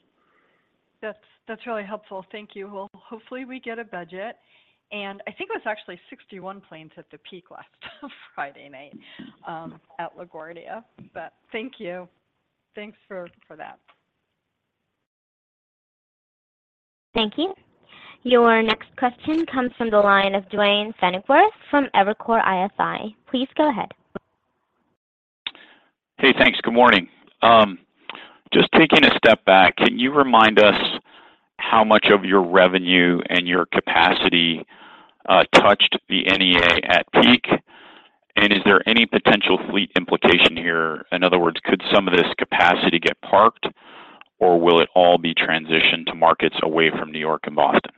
That's, that's really helpful. Thank you. Well, hopefully, we get a budget, and I think it was actually 61 planes at the peak last Friday night at LaGuardia. Thank you. Thanks for that. Thank you. Your next question comes from the line of Duane Pfennigwerth from Evercore ISI. Please go ahead. Hey, thanks. Good morning. Just taking a step back, can you remind us how much of your revenue and your capacity touched the NEA at peak? Is there any potential fleet implication here? In other words, could some of this capacity get parked, or will it all be transitioned to markets away from New York and Boston?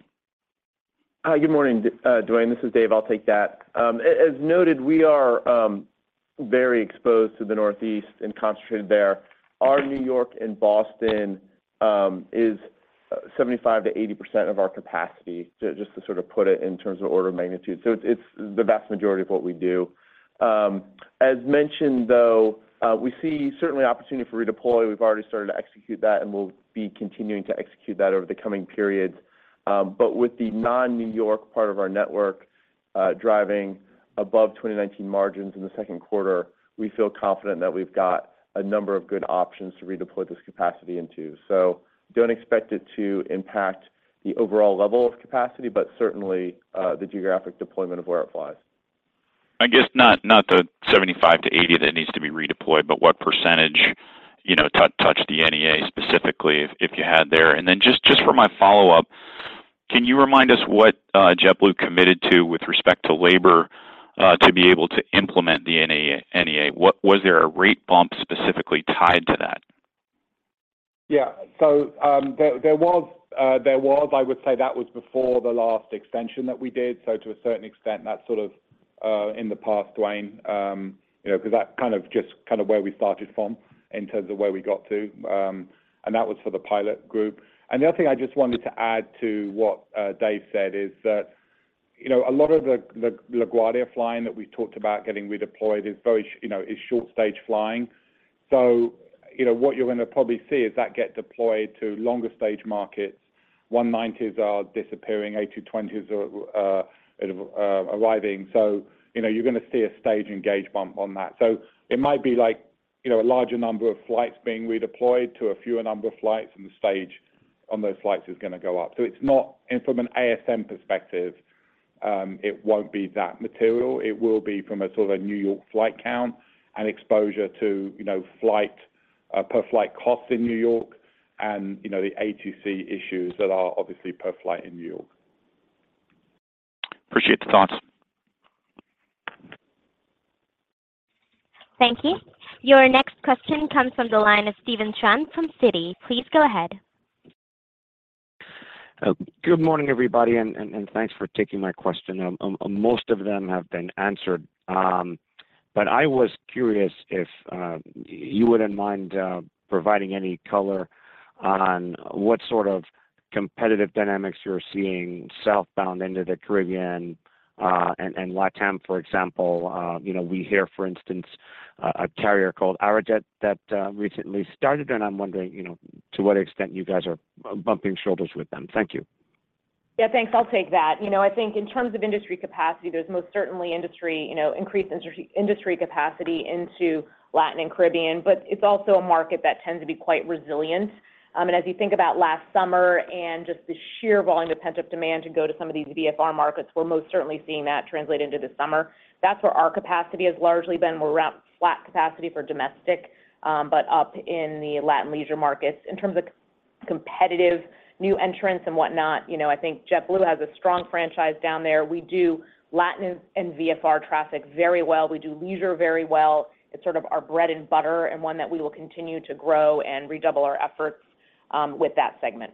Hi, good morning, Duane. This is Dave. I'll take that. As, as noted, we are very exposed to the Northeast and concentrated there. Our New York and Boston is 75%-80% of our capacity, just, just to sort of put it in terms of order of magnitude. It's, it's the vast majority of what we do. As mentioned, though, we see certainly opportunity for redeploy. We've already started to execute that, and we'll be continuing to execute that over the coming periods. But with the non-New York part of our network, driving above 2019 margins in the second quarter, we feel confident that we've got a number of good options to redeploy this capacity into. Don't expect it to impact the overall level of capacity, but certainly, the geographic deployment of where it flies. I guess not, not the 75-80 that needs to be redeployed, but what percentage, you know, touched the NEA specifically, if, if you had there? Just, just for my follow-up, can you remind us what JetBlue committed to with respect to labor to be able to implement the NEA? Was there a rate bump specifically tied to that? Yeah. there was I would say that was before the last extension that we did. To a certain extent, that's sort of in the past, Duane, you know, because that kind of just kind of where we started from in terms of where we got to, and that was for the pilot group. The other thing I just wanted to add to what Dave said is that, you know, a lot of the LaGuardia flying that we talked about getting redeployed is very, you know, is short-stage flying. You know, what you're going to probably see is that get deployed to longer-stage markets. 190s are disappearing, A220s are arriving. You know, you're going to see a stage and gauge bump on that. It might be like, you know, a larger number of flights being redeployed to a fewer number of flights, and the stage on those flights is going to go up. From an ASM perspective, it won't be that material. It will be from a sort of a New York flight count and exposure to, you know, flight per flight costs in New York and, you know, the ATC issues that are obviously per flight in New York. Appreciate the thoughts. Thank you. Your next question comes from the line of Stephen Trent from Citi. Please go ahead. Good morning, everybody, and thanks for taking my question. Most of them have been answered, but I was curious if you wouldn't mind providing any color on what sort of competitive dynamics you're seeing southbound into the Caribbean and LATAM, for example. You know, we hear, for instance, a carrier called Arajet that recently started, and I'm wondering, you know, to what extent you guys are bumping shoulders with them. Thank you. Yeah, thanks. I'll take that. You know, I think in terms of industry capacity, there's most certainly industry, you know, increased industry capacity into Latin and Caribbean, but it's also a market that tends to be quite resilient. As you think about last summer and just the sheer volume of pent-up demand to go to some of these VFR markets, we're most certainly seeing that translate into this summer. That's where our capacity has largely been. We're around flat capacity for domestic, but up in the Latin leisure markets. In terms of competitive new entrants and whatnot, you know, I think JetBlue has a strong franchise down there. We do Latin and VFR traffic very well. We do leisure very well. It's sort of our bread and butter, and one that we will continue to grow and redouble our efforts, with that segment.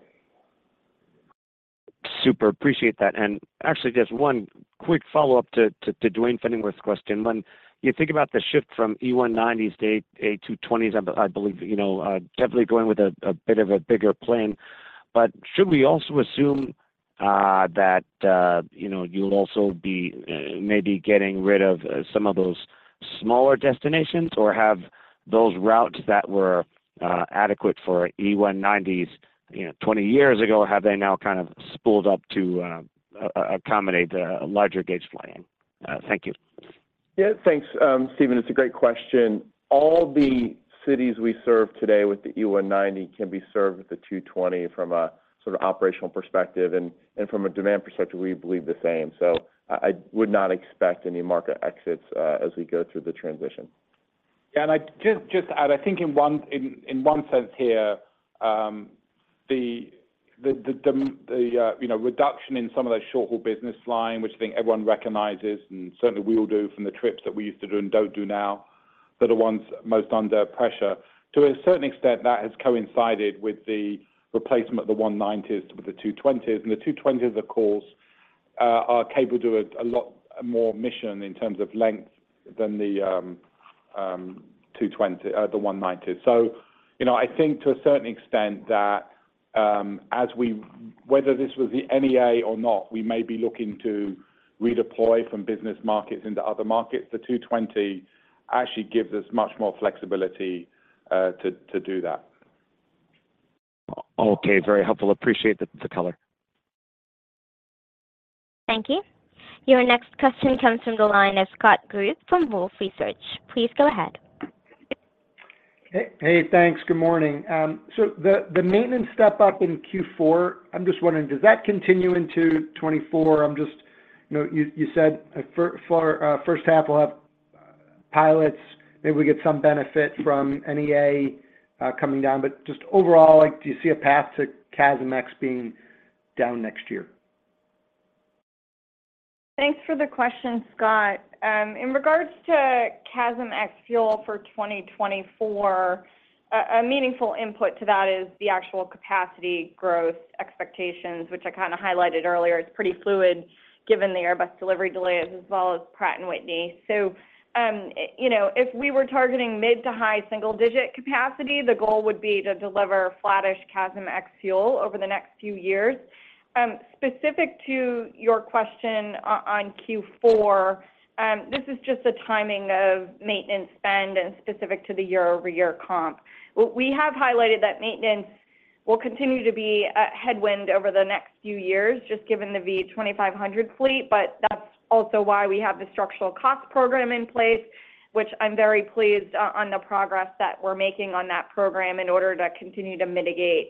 Super, appreciate that. Actually, just one quick follow-up to, to, to Duane Pfennigwerth's question. When you think about the shift from E190s to A220s, I, I believe, you know, definitely going with a bit of a bigger plane. Should we also assume that, you know, you'll also be maybe getting rid of some of those smaller destinations? Have those routes that were adequate for E190s, you know, 20 years ago, have they now kind of spooled up to accommodate the larger gates flying? Thank you. Yeah, thanks, Stephen. It's a great question. All the cities we serve today with the E190 can be served with a 220, from a sort of operational perspective, and, and from a demand perspective, we believe the same. I, I would not expect any market exits as we go through the transition. I'd just, just add, I think in one sense here, you know, the reduction in some of those short-haul business line, which I think everyone recognizes, and certainly we all do from the trips that we used to do and don't do now, they're the ones most under pressure. To a certain extent, that has coincided with the replacement of the 190s with the 220s. The 220s, of course, are capable of doing a lot more mission in terms of length than the 190s. You know, I think to a certain extent that, whether this was the NEA or not, we may be looking to redeploy some business markets into other markets. The 220 actually gives us much more flexibility, to do that. Okay, very helpful. Appreciate the, the color. Thank you. Your next question comes from the line of Scott Group from Wolfe Research. Please go ahead. Hey, hey, thanks. Good morning. The, the maintenance step up in Q4, I'm just wondering, does that continue into 2024? You know, you, you said for first half, we'll have pilots. Maybe we get some benefit from NEA coming down. Just overall, like, do you see a path to CASM ex being down next year? Thanks for the question, Scott. In regards to CASM ex-fuel for 2024, a meaningful input to that is the actual capacity growth expectations, which I kind of highlighted earlier. It's pretty fluid given the Airbus delivery delays as well as Pratt & Whitney. You know, if we were targeting mid to high single-digit capacity, the goal would be to deliver flattish CASM ex-fuel over the next few years. Specific to your question on Q4, this is just a timing of maintenance spend and specific to the year-over-year comp. What we have highlighted that maintenance will continue to be a headwind over the next few years, just given the V2500 fleet, but that's also why we have the structural cost program in place, which I'm very pleased on the progress that we're making on that program in order to continue to mitigate,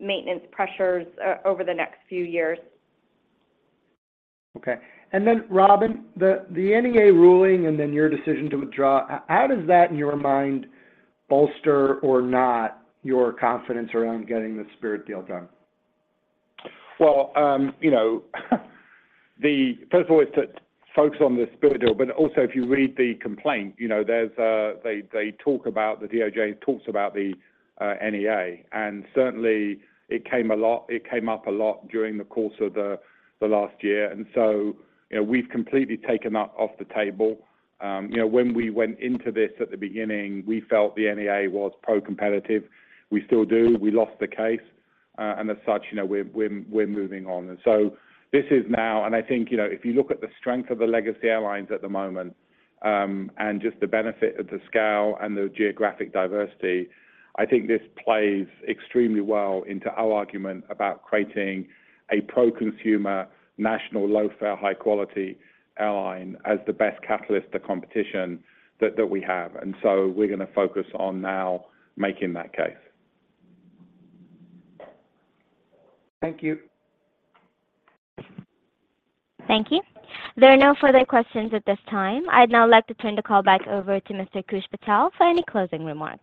maintenance pressures over the next few years. Okay. Robin, the, the NEA ruling and then your decision to withdraw, how does that, in your mind, bolster or not your confidence around getting the Spirit deal done? Well, you know, the... First of all, it's to focus on the Spirit deal, but also, if you read the complaint, you know, there's. The DOJ talks about the NEA. Certainly, it came up a lot during the course of t he last year, so, you know, we've completely taken that off the table. You know, when we went into this at the beginning, we felt the NEA was pro-competitive. We still do. We lost the case, and as such, you know, we're, we're, we're moving on. So this is now... I think, you know, if you look at the strength of the legacy airlines at the moment, and just the benefit of the scale and the geographic diversity, I think this plays extremely well into our argument about creating a pro-consumer, national, low-fare, high-quality airline as the best catalyst to competition that, that we have. We're gonna focus on now making that case. Thank you. Thank you. There are no further questions at this time. I'd now like to turn the call back over to Mr. Koosh Patel for any closing remarks.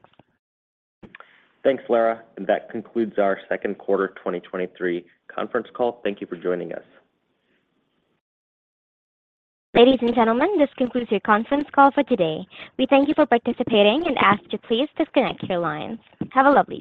Thanks, Lara, and that concludes our second quarter 2023 conference call. Thank you for joining us. Ladies and gentlemen, this concludes your conference call for today. We thank you for participating and ask you to please disconnect your lines. Have a lovely day.